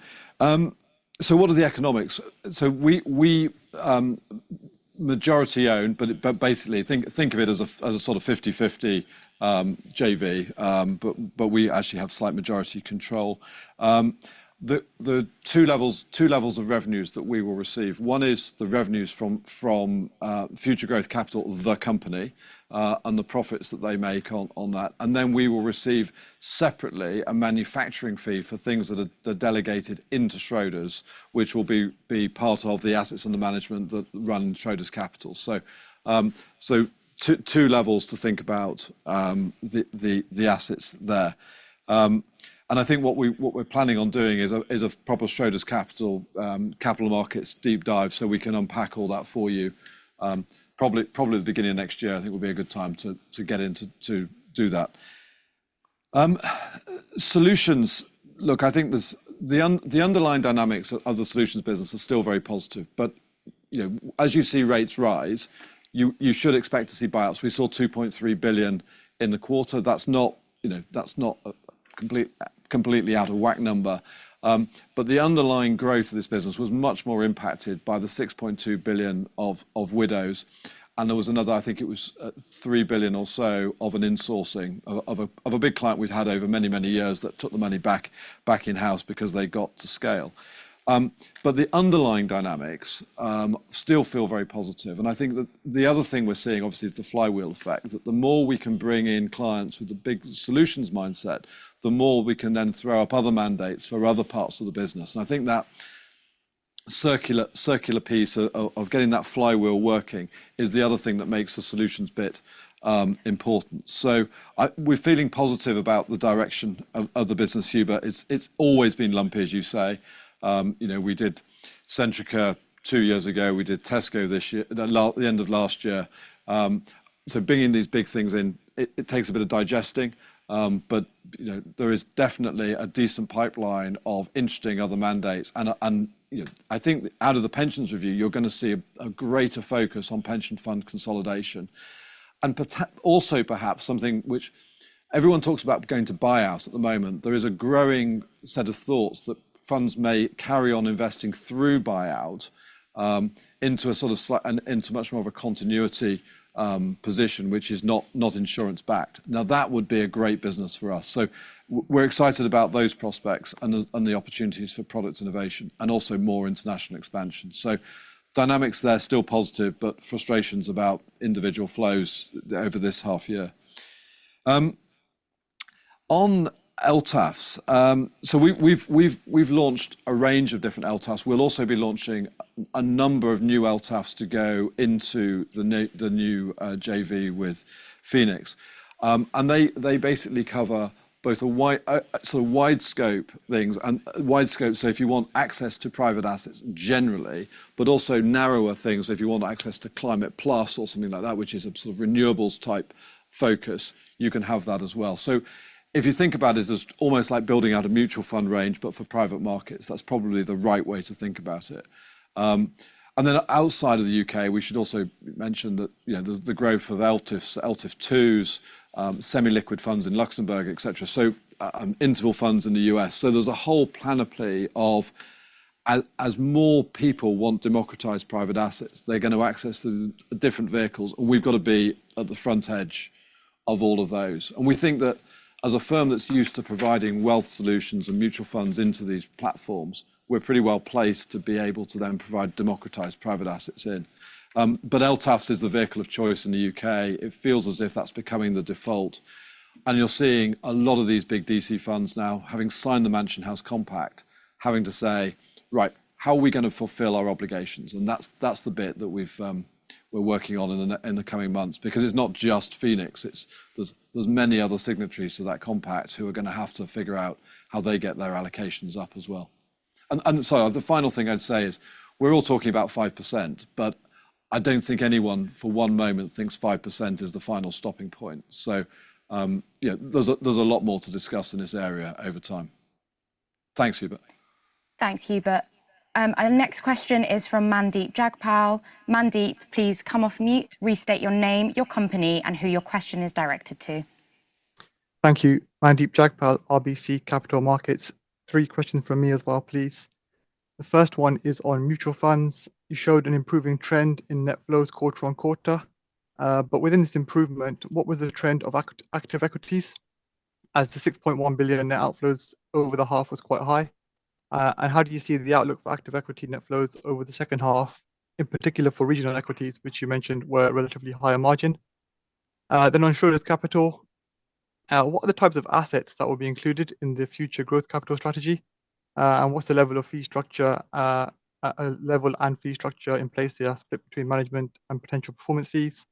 So what are the economics? So we majority own, but basically think of it as a sort of 50/50 JV, but we actually have slight majority control. The two levels of revenues that we will receive, one is the revenues from future growth capital, the company, and the profits that they make on that. And then we will receive separately a manufacturing fee for things that are delegated into Schroders', which will be part of the assets under management that run Schroders Capital. Two levels to think about the assets there. I think what we're planning on doing is a proper Schroders Capital markets deep dive so we can unpack all that for you. Probably the beginning of next year, I think will be a good time to get in to do that. Solutions, look, I think the underlying dynamics of the solutions business are still very positive. But as you see rates rise, you should expect to see buyouts. We saw 2.3 billion in the quarter. That's not a completely out of whack number. But the underlying growth of this business was much more impacted by the 6.2 billion of Widows. There was another, I think it was 3 billion or so of an insourcing of a big client we'd had over many, many years that took the money back in-house because they got to scale. But the underlying dynamics still feel very positive. And I think the other thing we're seeing, obviously, is the flywheel effect. That the more we can bring in clients with a big solutions mindset, the more we can then throw up other mandates for other parts of the business. And I think that circular piece of getting that flywheel working is the other thing that makes the solutions bit important. So we're feeling positive about the direction of the business, Hubert. It's always been lumpy, as you say. We did Centrica two years ago. We did Tesco the end of last year. So bringing these big things in, it takes a bit of digesting. But there is definitely a decent pipeline of interesting other mandates. And I think out of the pensions review, you're going to see a greater focus on pension fund consolidation. And also perhaps something which everyone talks about going to buyouts at the moment, there is a growing set of thoughts that funds may carry on investing through buyout into a sort of much more of a continuity position, which is not insurance-backed. Now, that would be a great business for us. So we're excited about those prospects and the opportunities for product innovation and also more international expansion. So dynamics there are still positive, but frustrations about individual flows over this half year. On LTAFs, so we've launched a range of different LTAFs. We'll also be launching a number of new LTAFs to go into the new JV with Phoenix. They basically cover both sort of wide-scope things and wide-scope, so if you want access to private assets generally, but also narrower things, if you want access to Climate Plus or something like that, which is a sort of renewables type focus, you can have that as well. So if you think about it as almost like building out a mutual fund range, but for private markets, that's probably the right way to think about it. Then outside of the U.K., we should also mention that the growth of ELTIFs, ELTIF 2s, semi-liquid funds in Luxembourg, etc., so interval funds in the U.S. So there's a whole panoply of as more people want democratized private assets, they're going to access different vehicles. We've got to be at the front edge of all of those. We think that as a firm that's used to providing wealth solutions and mutual funds into these platforms, we're pretty well placed to be able to then provide democratized private assets in. But LTAFs is the vehicle of choice in the U.K.. It feels as if that's becoming the default. And you're seeing a lot of these big DC funds now, having signed the Mansion House Compact, having to say, "Right, how are we going to fulfill our obligations?" And that's the bit that we're working on in the coming months because it's not just Phoenix. There's many other signatories to that compact who are going to have to figure out how they get their allocations up as well. And sorry, the final thing I'd say is we're all talking about 5%, but I don't think anyone for one moment thinks 5% is the final stopping point. So there's a lot more to discuss in this area over time. Thanks, Hubert. Thanks, Hubert. Our next question is from Mandeep Jagpal. Mandeep, please come off mute, restate your name, your company, and who your question is directed to. Thank you. Mandeep Jagpal, RBC Capital Markets. Three questions from me as well, please. The first one is on mutual funds. You showed an improving trend in net flows quarter-over-quarter. But within this improvement, what was the trend of active equities as the 6.1 billion net outflows over the half was quite high? And how do you see the outlook for active equity net flows over the second half, in particular for regional equities, which you mentioned were relatively higher margin? Then on Schroders Capital, what are the types of assets that will be included in the Future Growth Capital strategy? And what's the level of fee structure level and fee structure in place there split between management and potential performance fees?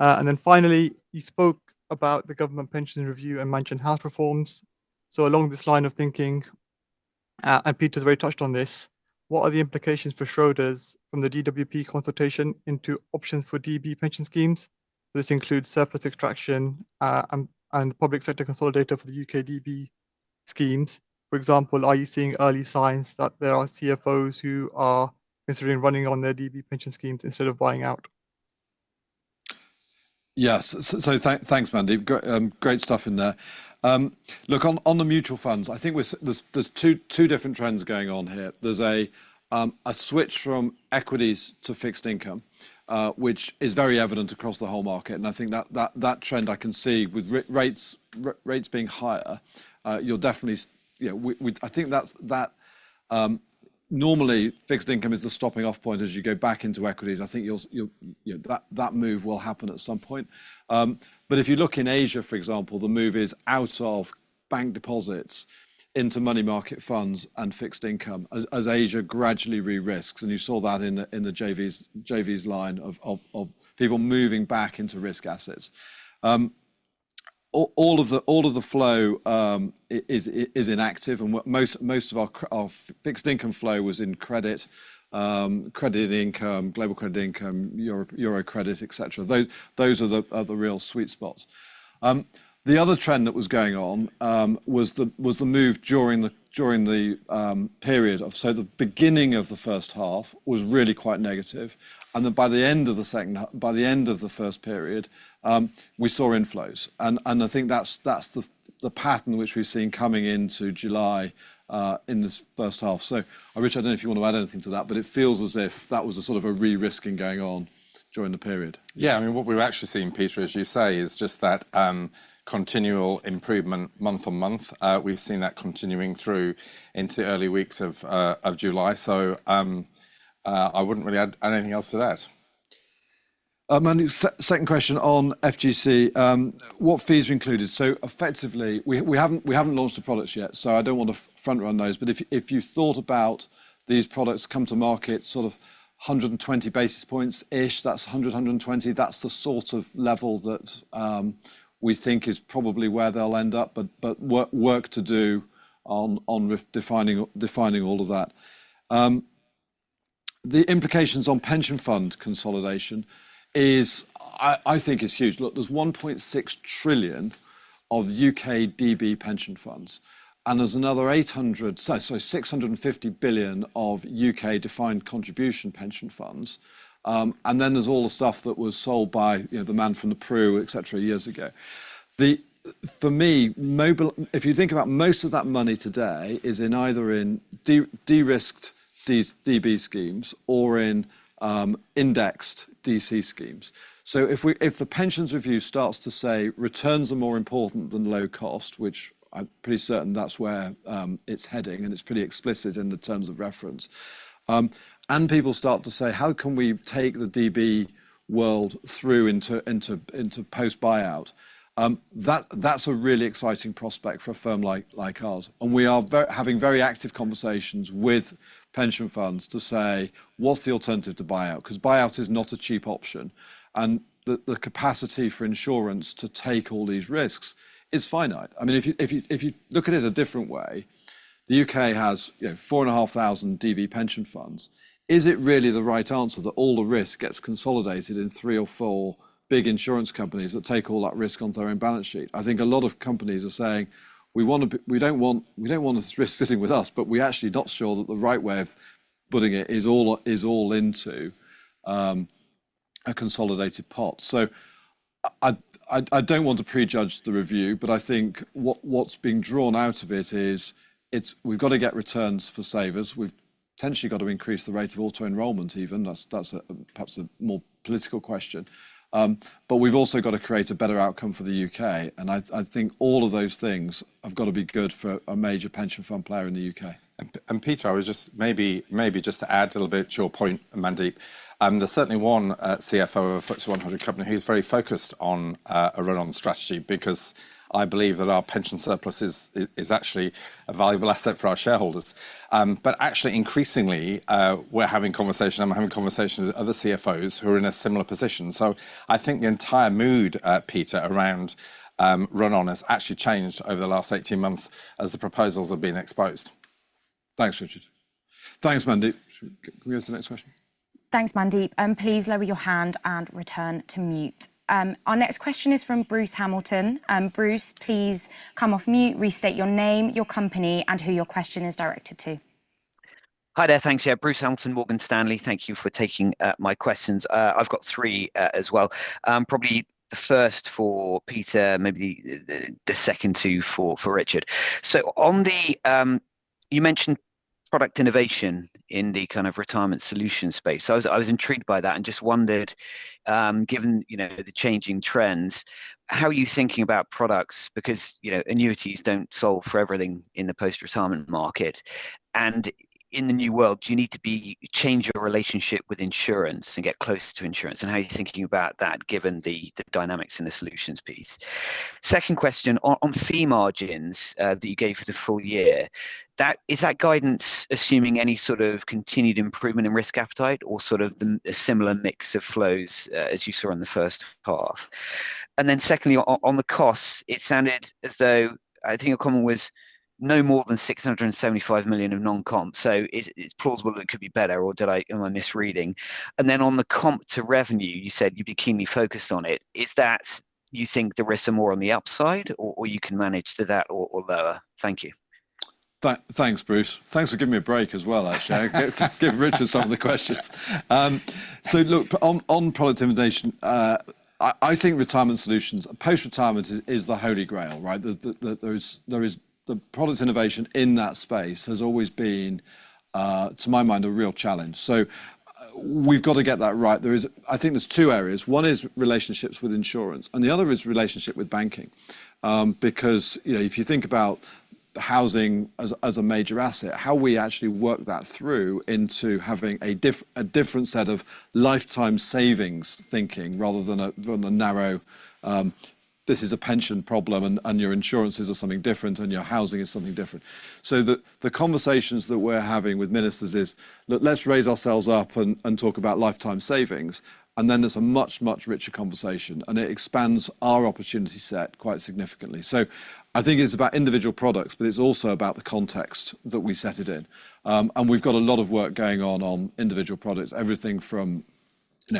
And then finally, you spoke about the government pension review and Mansion House reforms. So along this line of thinking, and Peter's already touched on this, what are the implications for Schroders from the DWP consultation into options for DB pension schemes? This includes surplus extraction and public sector consolidator for the U.K. DB schemes. For example, are you seeing early signs that there are CFOs who are considering running on their DB pension schemes instead of buying out? Yes. So thanks, Mandeep. Great stuff in there. Look, on the mutual funds, I think there's two different trends going on here. There's a switch from equities to fixed income, which is very evident across the whole market. I think that trend I can see with rates being higher, you'll definitely, I think that normally fixed income is the stopping off point as you go back into equities. I think that move will happen at some point. But if you look in Asia, for example, the move is out of bank deposits into money market funds and fixed income as Asia gradually re-risks. And you saw that in the JV's line of people moving back into risk assets. All of the flow is inactive. And most of our fixed income flow was in credit, credit income, global credit income, Euro credit, etc. Those are the real sweet spots. The other trend that was going on was the move during the period of, so the beginning of the H1 was really quite negative. Then by the end of the second, by the end of the first period, we saw inflows. I think that's the pattern which we've seen coming into July in this H1. So I wish I don't know if you want to add anything to that, but it feels as if that was a sort of a re-risking going on during the period. Yeah, I mean, what we've actually seen, Peter, as you say, is just that continual improvement month-on-month. We've seen that continuing through into the early weeks of July. So I wouldn't really add anything else to that. Second question on FGC, what fees are included? So effectively, we haven't launched the products yet, so I don't want to front-run those. But if you thought about these products come to market, sort of 120 basis points-ish, that's 100, 120, that's the sort of level that we think is probably where they'll end up, but work to do on defining all of that. The implications on pension fund consolidation is, I think it's huge. Look, there's 1.6 trillion of U.K. DB pension funds. And there's another 800, sorry, 650 billion of U.K. defined contribution pension funds. And then there's all the stuff that was sold by the man from the Pru, etc., years ago. For me, if you think about most of that money today is in either in de-risked DB schemes or in indexed DC schemes. If the pensions review starts to say returns are more important than low cost, which I'm pretty certain that's where it's heading, and it's pretty explicit in the terms of reference, and people start to say, "How can we take the DB world through into post-buyout?" That's a really exciting prospect for a firm like ours. We are having very active conversations with pension funds to say, "What's the alternative to buyout?" Because buyout is not a cheap option. The capacity for insurance to take all these risks is finite. I mean, if you look at it a different way, the U.K. has 4,500 DB pension funds. Is it really the right answer that all the risk gets consolidated in three or four big insurance companies that take all that risk on their own balance sheet? I think a lot of companies are saying, "We don't want this risk sitting with us, but we're actually not sure that the right way of putting it is all into a consolidated pot." So I don't want to prejudge the review, but I think what's being drawn out of it is we've got to get returns for savers. We've potentially got to increase the rate of auto enrollment even. That's perhaps a more political question. But we've also got to create a better outcome for the U.K.. And I think all of those things have got to be good for a major pension fund player in the U.K.. And Peter, I was just maybe just to add a little bit to your point, Mandeep, there's certainly one CFO of a FTSE 100 company who's very focused on a run-on strategy because I believe that our pension surplus is actually a valuable asset for our shareholders. But actually, increasingly, we're having conversations. I'm having conversations with other CFOs who are in a similar position. So I think the entire mood, Peter, around run-on has actually changed over the last 18 months as the proposals have been exposed. Thanks, Richard. Thanks, Mandeep. Can we ask the next question? Thanks, Mandeep. And please lower your hand and return to mute. Our next question is from Bruce Hamilton. Bruce, please come off mute, restate your name, your company, and who your question is directed to. Hi there. Thanks, yeah. Bruce Hamilton, Morgan Stanley. Thank you for taking my questions. I've got three as well. Probably the first for Peter, maybe the second two for Richard. So you mentioned product innovation in the kind of retirement solution space. I was intrigued by that and just wondered, given the changing trends, how are you thinking about products? Because annuities don't solve for everything in the post-retirement market. And in the new world, do you need to change your relationship with insurance and get closer to insurance? And how are you thinking about that given the dynamics in the solutions piece? Second question on fee margins that you gave for the full year, is that guidance assuming any sort of continued improvement in risk appetite or sort of a similar mix of flows as you saw in the H1? And then secondly, on the costs, it sounded as though I think your comment was no more than 675 million of non-comps. So it's plausible that it could be better, or did I misread? And then on the comp to revenue, you said you'd be keenly focused on it. Is that you think the risks are more on the upside or you can manage to that or lower? Thank you. Thanks, Bruce. Thanks for giving me a break as well, actually. I get to give Richard some of the questions. So look, on product innovation, I think retirement solutions, post-retirement is the Holy Grail, right? The product innovation in that space has always been, to my mind, a real challenge. So we've got to get that right. I think there's two areas. One is relationships with insurance, and the other is relationship with banking. Because if you think about housing as a major asset, how we actually work that through into having a different set of lifetime savings thinking rather than a narrow, "This is a pension problem, and your insurances are something different, and your housing is something different." So the conversations that we're having with ministers is, "Look, let's raise ourselves up and talk about lifetime savings." And then there's a much, much richer conversation, and it expands our opportunity set quite significantly. So I think it's about individual products, but it's also about the context that we set it in. And we've got a lot of work going on on individual products, everything from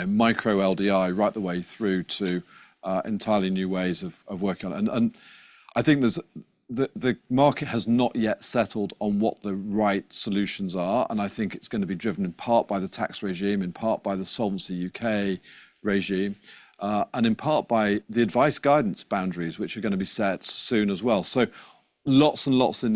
micro LDI right the way through to entirely new ways of working on it. And I think the market has not yet settled on what the right solutions are. I think it's going to be driven in part by the tax regime, in part by the Solvency U.K. regime, and in part by the advice guidance boundaries, which are going to be set soon as well. Lots and lots up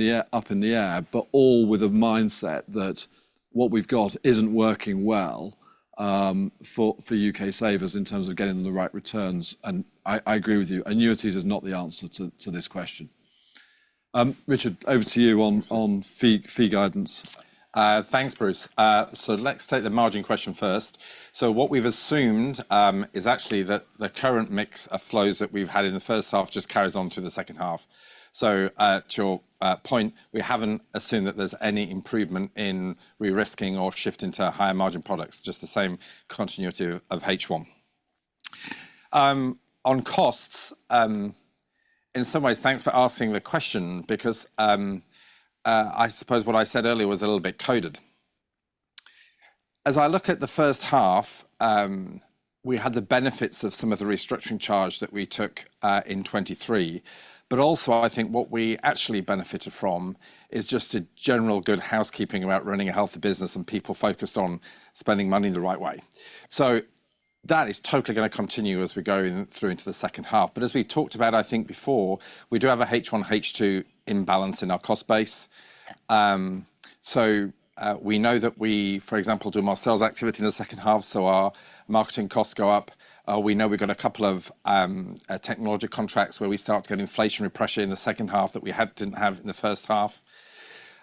in the air, but all with a mindset that what we've got isn't working well for U.K. savers in terms of getting the right returns. I agree with you. Annuities is not the answer to this question. Richard, over to you on fee guidance. Thanks, Bruce. Let's take the margin question first. What we've assumed is actually that the current mix of flows that we've had in the H1 just carries on through the second half. To your point, we haven't assumed that there's any improvement in re-risking or shifting to higher margin products, just the same continuity of H1. On costs, in some ways, thanks for asking the question because I suppose what I said earlier was a little bit coded. As I look at the H1, we had the benefits of some of the restructuring charge that we took in 2023. But also, I think what we actually benefited from is just a general good housekeeping about running a healthy business and people focused on spending money the right way. So that is totally going to continue as we go through into the second half. But as we talked about, I think before, we do have a H1, H2 imbalance in our cost base. So we know that we, for example, do more sales activity in the second half, so our marketing costs go up. We know we've got a couple of technology contracts where we start to get inflationary pressure in the second half that we didn't have in the H1.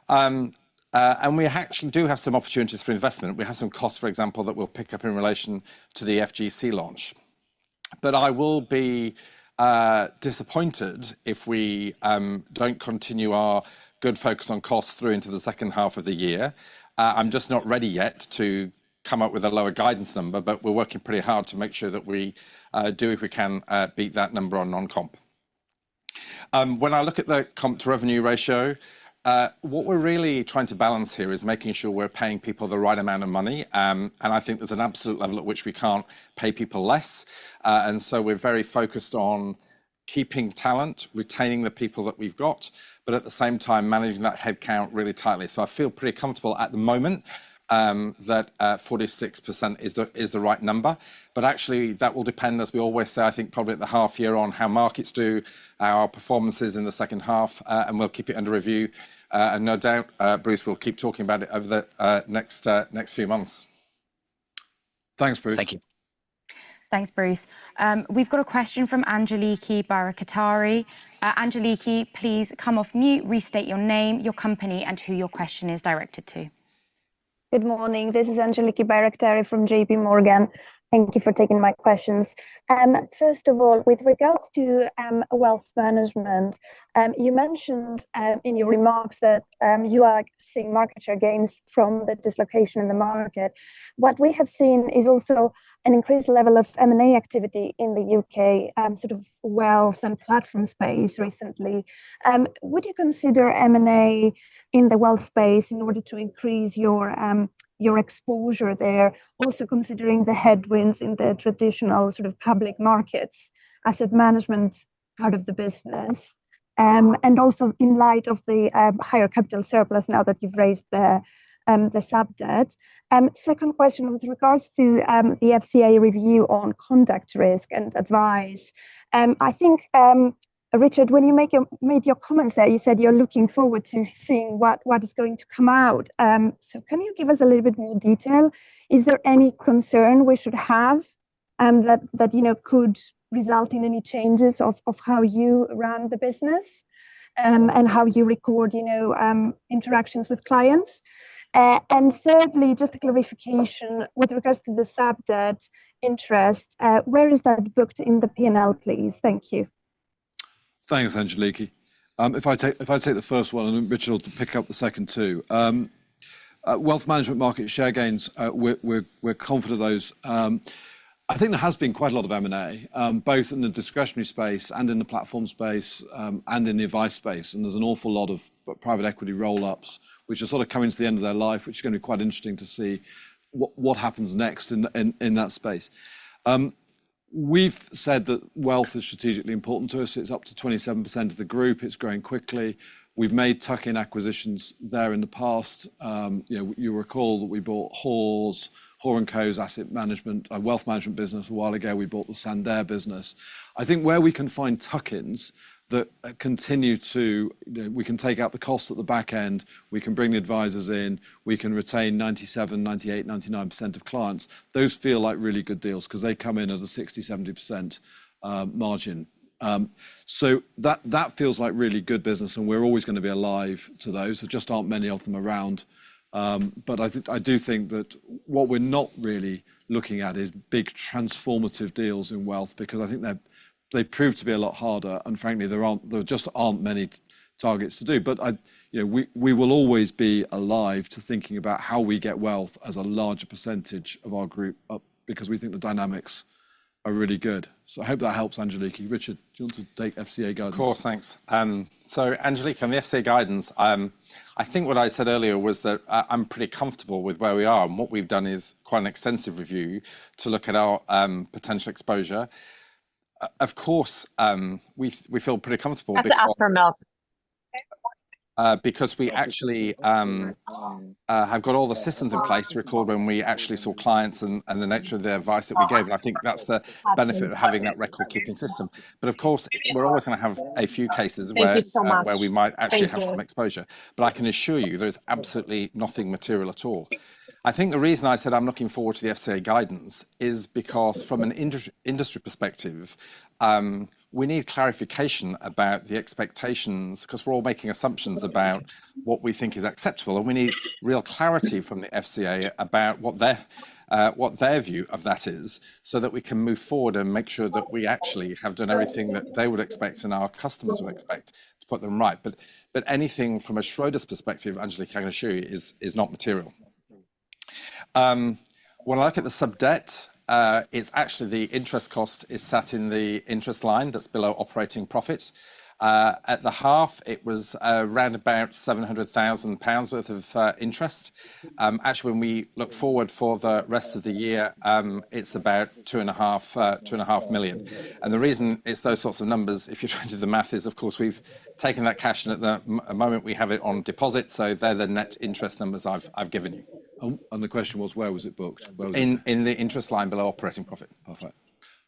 And we actually do have some opportunities for investment. We have some costs, for example, that we'll pick up in relation to the FGC launch. But I will be disappointed if we don't continue our good focus on costs through into the second half of the year. I'm just not ready yet to come up with a lower guidance number, but we're working pretty hard to make sure that we do, if we can, beat that number on non-comp. When I look at the comp to revenue ratio, what we're really trying to balance here is making sure we're paying people the right amount of money. And I think there's an absolute level at which we can't pay people less. And so we're very focused on keeping talent, retaining the people that we've got, but at the same time, managing that headcount really tightly. So I feel pretty comfortable at the moment that 46% is the right number. But actually, that will depend, as we always say, I think probably at the half year on how markets do, our performances in the second half, and we'll keep it under review. And no doubt, Bruce will keep talking about it over the next few months. Thanks, Bruce. Thank you. Thanks, Bruce. We've got a question from Angeliki Bairaktari. Angeliki, please come off mute, restate your name, your company, and who your question is directed to. Good morning. This is Angeliki Bairaktari from JP Morgan. Thank you for taking my questions. First of all, with regards to wealth management, you mentioned in your remarks that you are seeing market share gains from the dislocation in the market. What we have seen is also an increased level of M&A activity in the U.K., sort of wealth and platform space recently. Would you consider M&A in the wealth space in order to increase your exposure there, also considering the headwinds in the traditional sort of public markets, asset management part of the business, and also in light of the higher capital surplus now that you've raised the sub debt? Second question with regards to the FCA review on conduct risk and advice. I think, Richard, when you made your comments there, you said you're looking forward to seeing what is going to come out. So can you give us a little bit more detail? Is there any concern we should have that could result in any changes of how you run the business and how you record interactions with clients? And thirdly, just a clarification with regards to the sub debt interest, where is that booked in the P&L, please? Thank you. Thanks, Angeliki. If I take the first one, and Richard will pick up the second too. Wealth management market share gains, we're confident of those. I think there has been quite a lot of M&A, both in the discretionary space and in the platform space and in the advice space. And there's an awful lot of private equity roll-ups, which are sort of coming to the end of their life, which is going to be quite interesting to see what happens next in that space. We've said that wealth is strategically important to us. It's up to 27% of the group. It's growing quickly. We've made tuck-in acquisitions there in the past. You'll recall that we bought C. Hoare & Co. But we will always be alive to thinking about how we get wealth as a larger percentage of our group because we think the dynamics are really good. So I hope that helps, Angeliki. Richard, do you want to take FCA guidance? Of course, thanks. So Angeliki, on the FCA guidance, I think what I said earlier was that I'm pretty comfortable with where we are. What we've done is quite an extensive review to look at our potential exposure. Of course, we feel pretty comfortable. That's for Mel. Because we actually have got all the systems in place. Recall when we actually saw clients and the nature of the advice that we gave. And I think that's the benefit of having that record-keeping system. But of course, we're always going to have a few cases where we might actually have some exposure. But I can assure you there is absolutely nothing material at all. I think the reason I said I'm looking forward to the FCA guidance is because from an industry perspective, we need clarification about the expectations because we're all making assumptions about what we think is acceptable. And we need real clarity from the FCA about what their view of that is so that we can move forward and make sure that we actually have done everything that they would expect and our customers would expect to put them right. But anything from a Schroders perspective, Angeliki can assure you, is not material. When I look at the sub debt, it's actually the interest cost is sat in the interest line that's below operating profit. At the half, it was around about £700,000 worth of interest. Actually, when we look forward for the rest of the year, it's about 2,500,000. And the reason it's those sorts of numbers, if you're trying to do the math, is of course, we've taken that cash, and at the moment, we have it on deposit. So they're the net interest numbers I've given you. And the question was, where was it booked? In the interest line below operating profit. Perfect.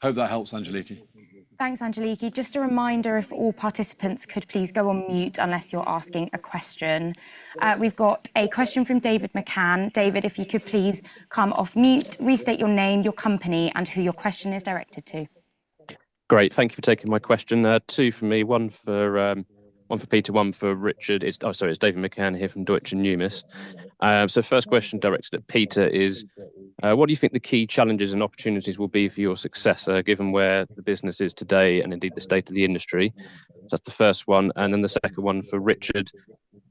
Hope that helps, Angeliki. Thanks, Angeliki. Just a reminder, if all participants could please go on mute unless you're asking a question. We've got a question from David McCann. David, if you could please come off mute, restate your name, your company, and who your question is directed to. Great. Thank you for taking my question. Two for me, one for Peter, one for Richard. Sorry, it's David McCann here from Deutsche Numis. So first question directed at Peter is, what do you think the key challenges and opportunities will be for your successor, given where the business is today and indeed the state of the industry? That's the first one. And then the second one for Richard.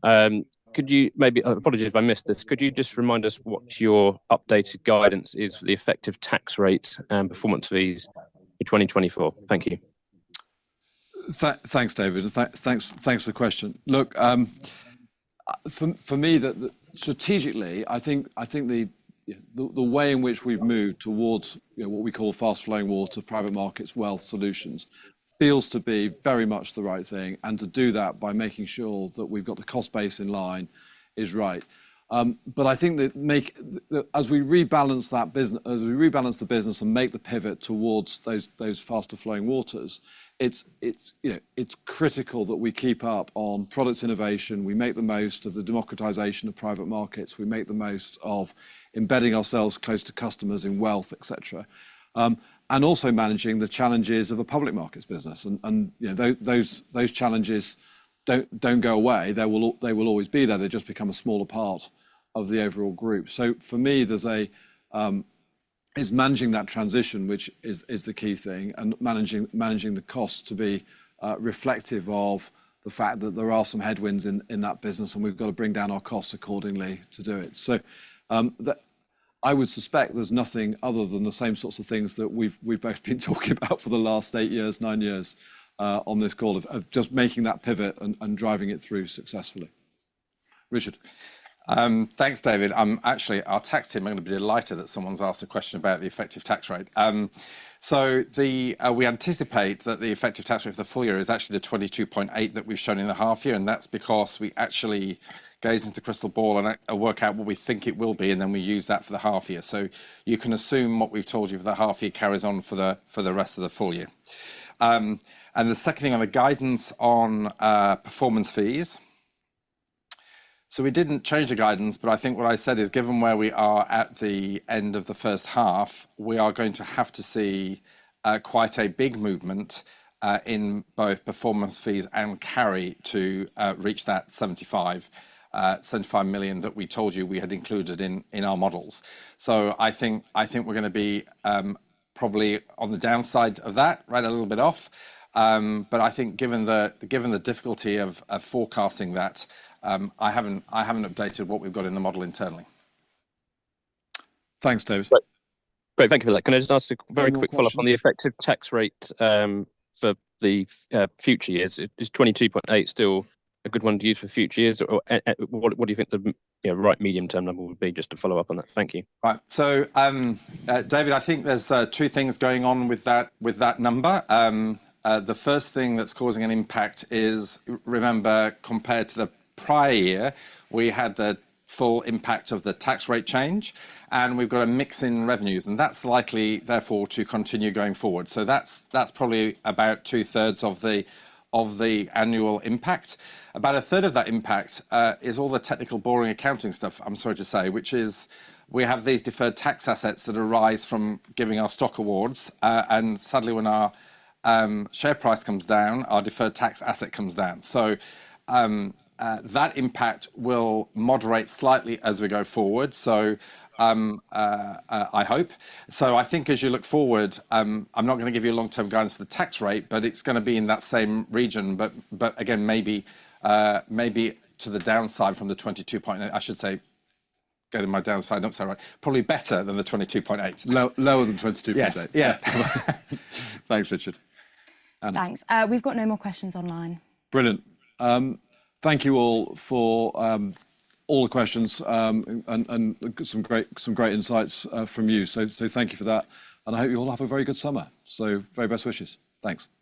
Could you maybe apologize if I missed this. Could you just remind us what your updated guidance is for the effective tax rate and performance fees for 2024? Thank you. Thanks, David. Thanks for the question. Look, for me, strategically, I think the way in which we've moved towards what we call fast-flowing water, private markets, wealth solutions feels to be very much the right thing. And to do that by making sure that we've got the cost base in line is right. But I think that as we rebalance the business and make the pivot towards those faster-flowing waters, it's critical that we keep up on product innovation. We make the most of the democratization of private markets. We make the most of embedding ourselves close to customers in wealth, etc., and also managing the challenges of a public markets business. And those challenges don't go away. They will always be there. They just become a smaller part of the overall group. So for me, it's managing that transition, which is the key thing, and managing the cost to be reflective of the fact that there are some headwinds in that business, and we've got to bring down our costs accordingly to do it. So I would suspect there's nothing other than the same sorts of things that we've both been talking about for the last eight years, nine years on this call, of just making that pivot and driving it through successfully. Richard. Thanks, David. Actually, our tax team, I'm going to be delighted that someone's asked a question about the effective tax rate. So we anticipate that the effective tax rate for the full year is actually the 22.8% that we've shown in the half year. And that's because we actually gaze into the crystal ball and work out what we think it will be, and then we use that for the half year. So you can assume what we've told you for the half year carries on for the rest of the full year. And the second thing on the guidance on performance fees. So we didn't change the guidance, but I think what I said is, given where we are at the end of the H1, we are going to have to see quite a big movement in both performance fees and carry to reach that 75 million that we told you we had included in our models. So I think we're going to be probably on the downside of that, right? A little bit off. But I think given the difficulty of forecasting that, I haven't updated what we've got in the model internally. Thanks, David. Great. Thank you for that. Can I just ask a very quick follow-up on the effective tax rate for the future years? Is 22.8% still a good one to use for future years? What do you think the right medium-term number would be just to follow up on that? Thank you. Right. So, David, I think there's two things going on with that number. The first thing that's causing an impact is, remember, compared to the prior year, we had the full impact of the tax rate change, and we've got a mix in revenues. That's likely, therefore, to continue going forward. That's probably about two-thirds of the annual impact. About a third of that impact is all the technical boring accounting stuff, I'm sorry to say, which is we have these deferred tax assets that arise from giving our stock awards. Suddenly, when our share price comes down, our deferred tax asset comes down. That impact will moderate slightly as we go forward, so I hope. I think as you look forward, I'm not going to give you a long-term guidance for the tax rate, but it's going to be in that same region. But again, maybe to the downside from the 22.8%. I should say, go to my downside, not so right. Probably better than the 22.8%. Lower than 22.8%. Yeah. Thanks, Richard. Thanks. We've got no more questions online. Brilliant. Thank you all for all the questions and some great insights from you. So thank you for that. And I hope you all have a very good summer. So very best wishes. Thanks.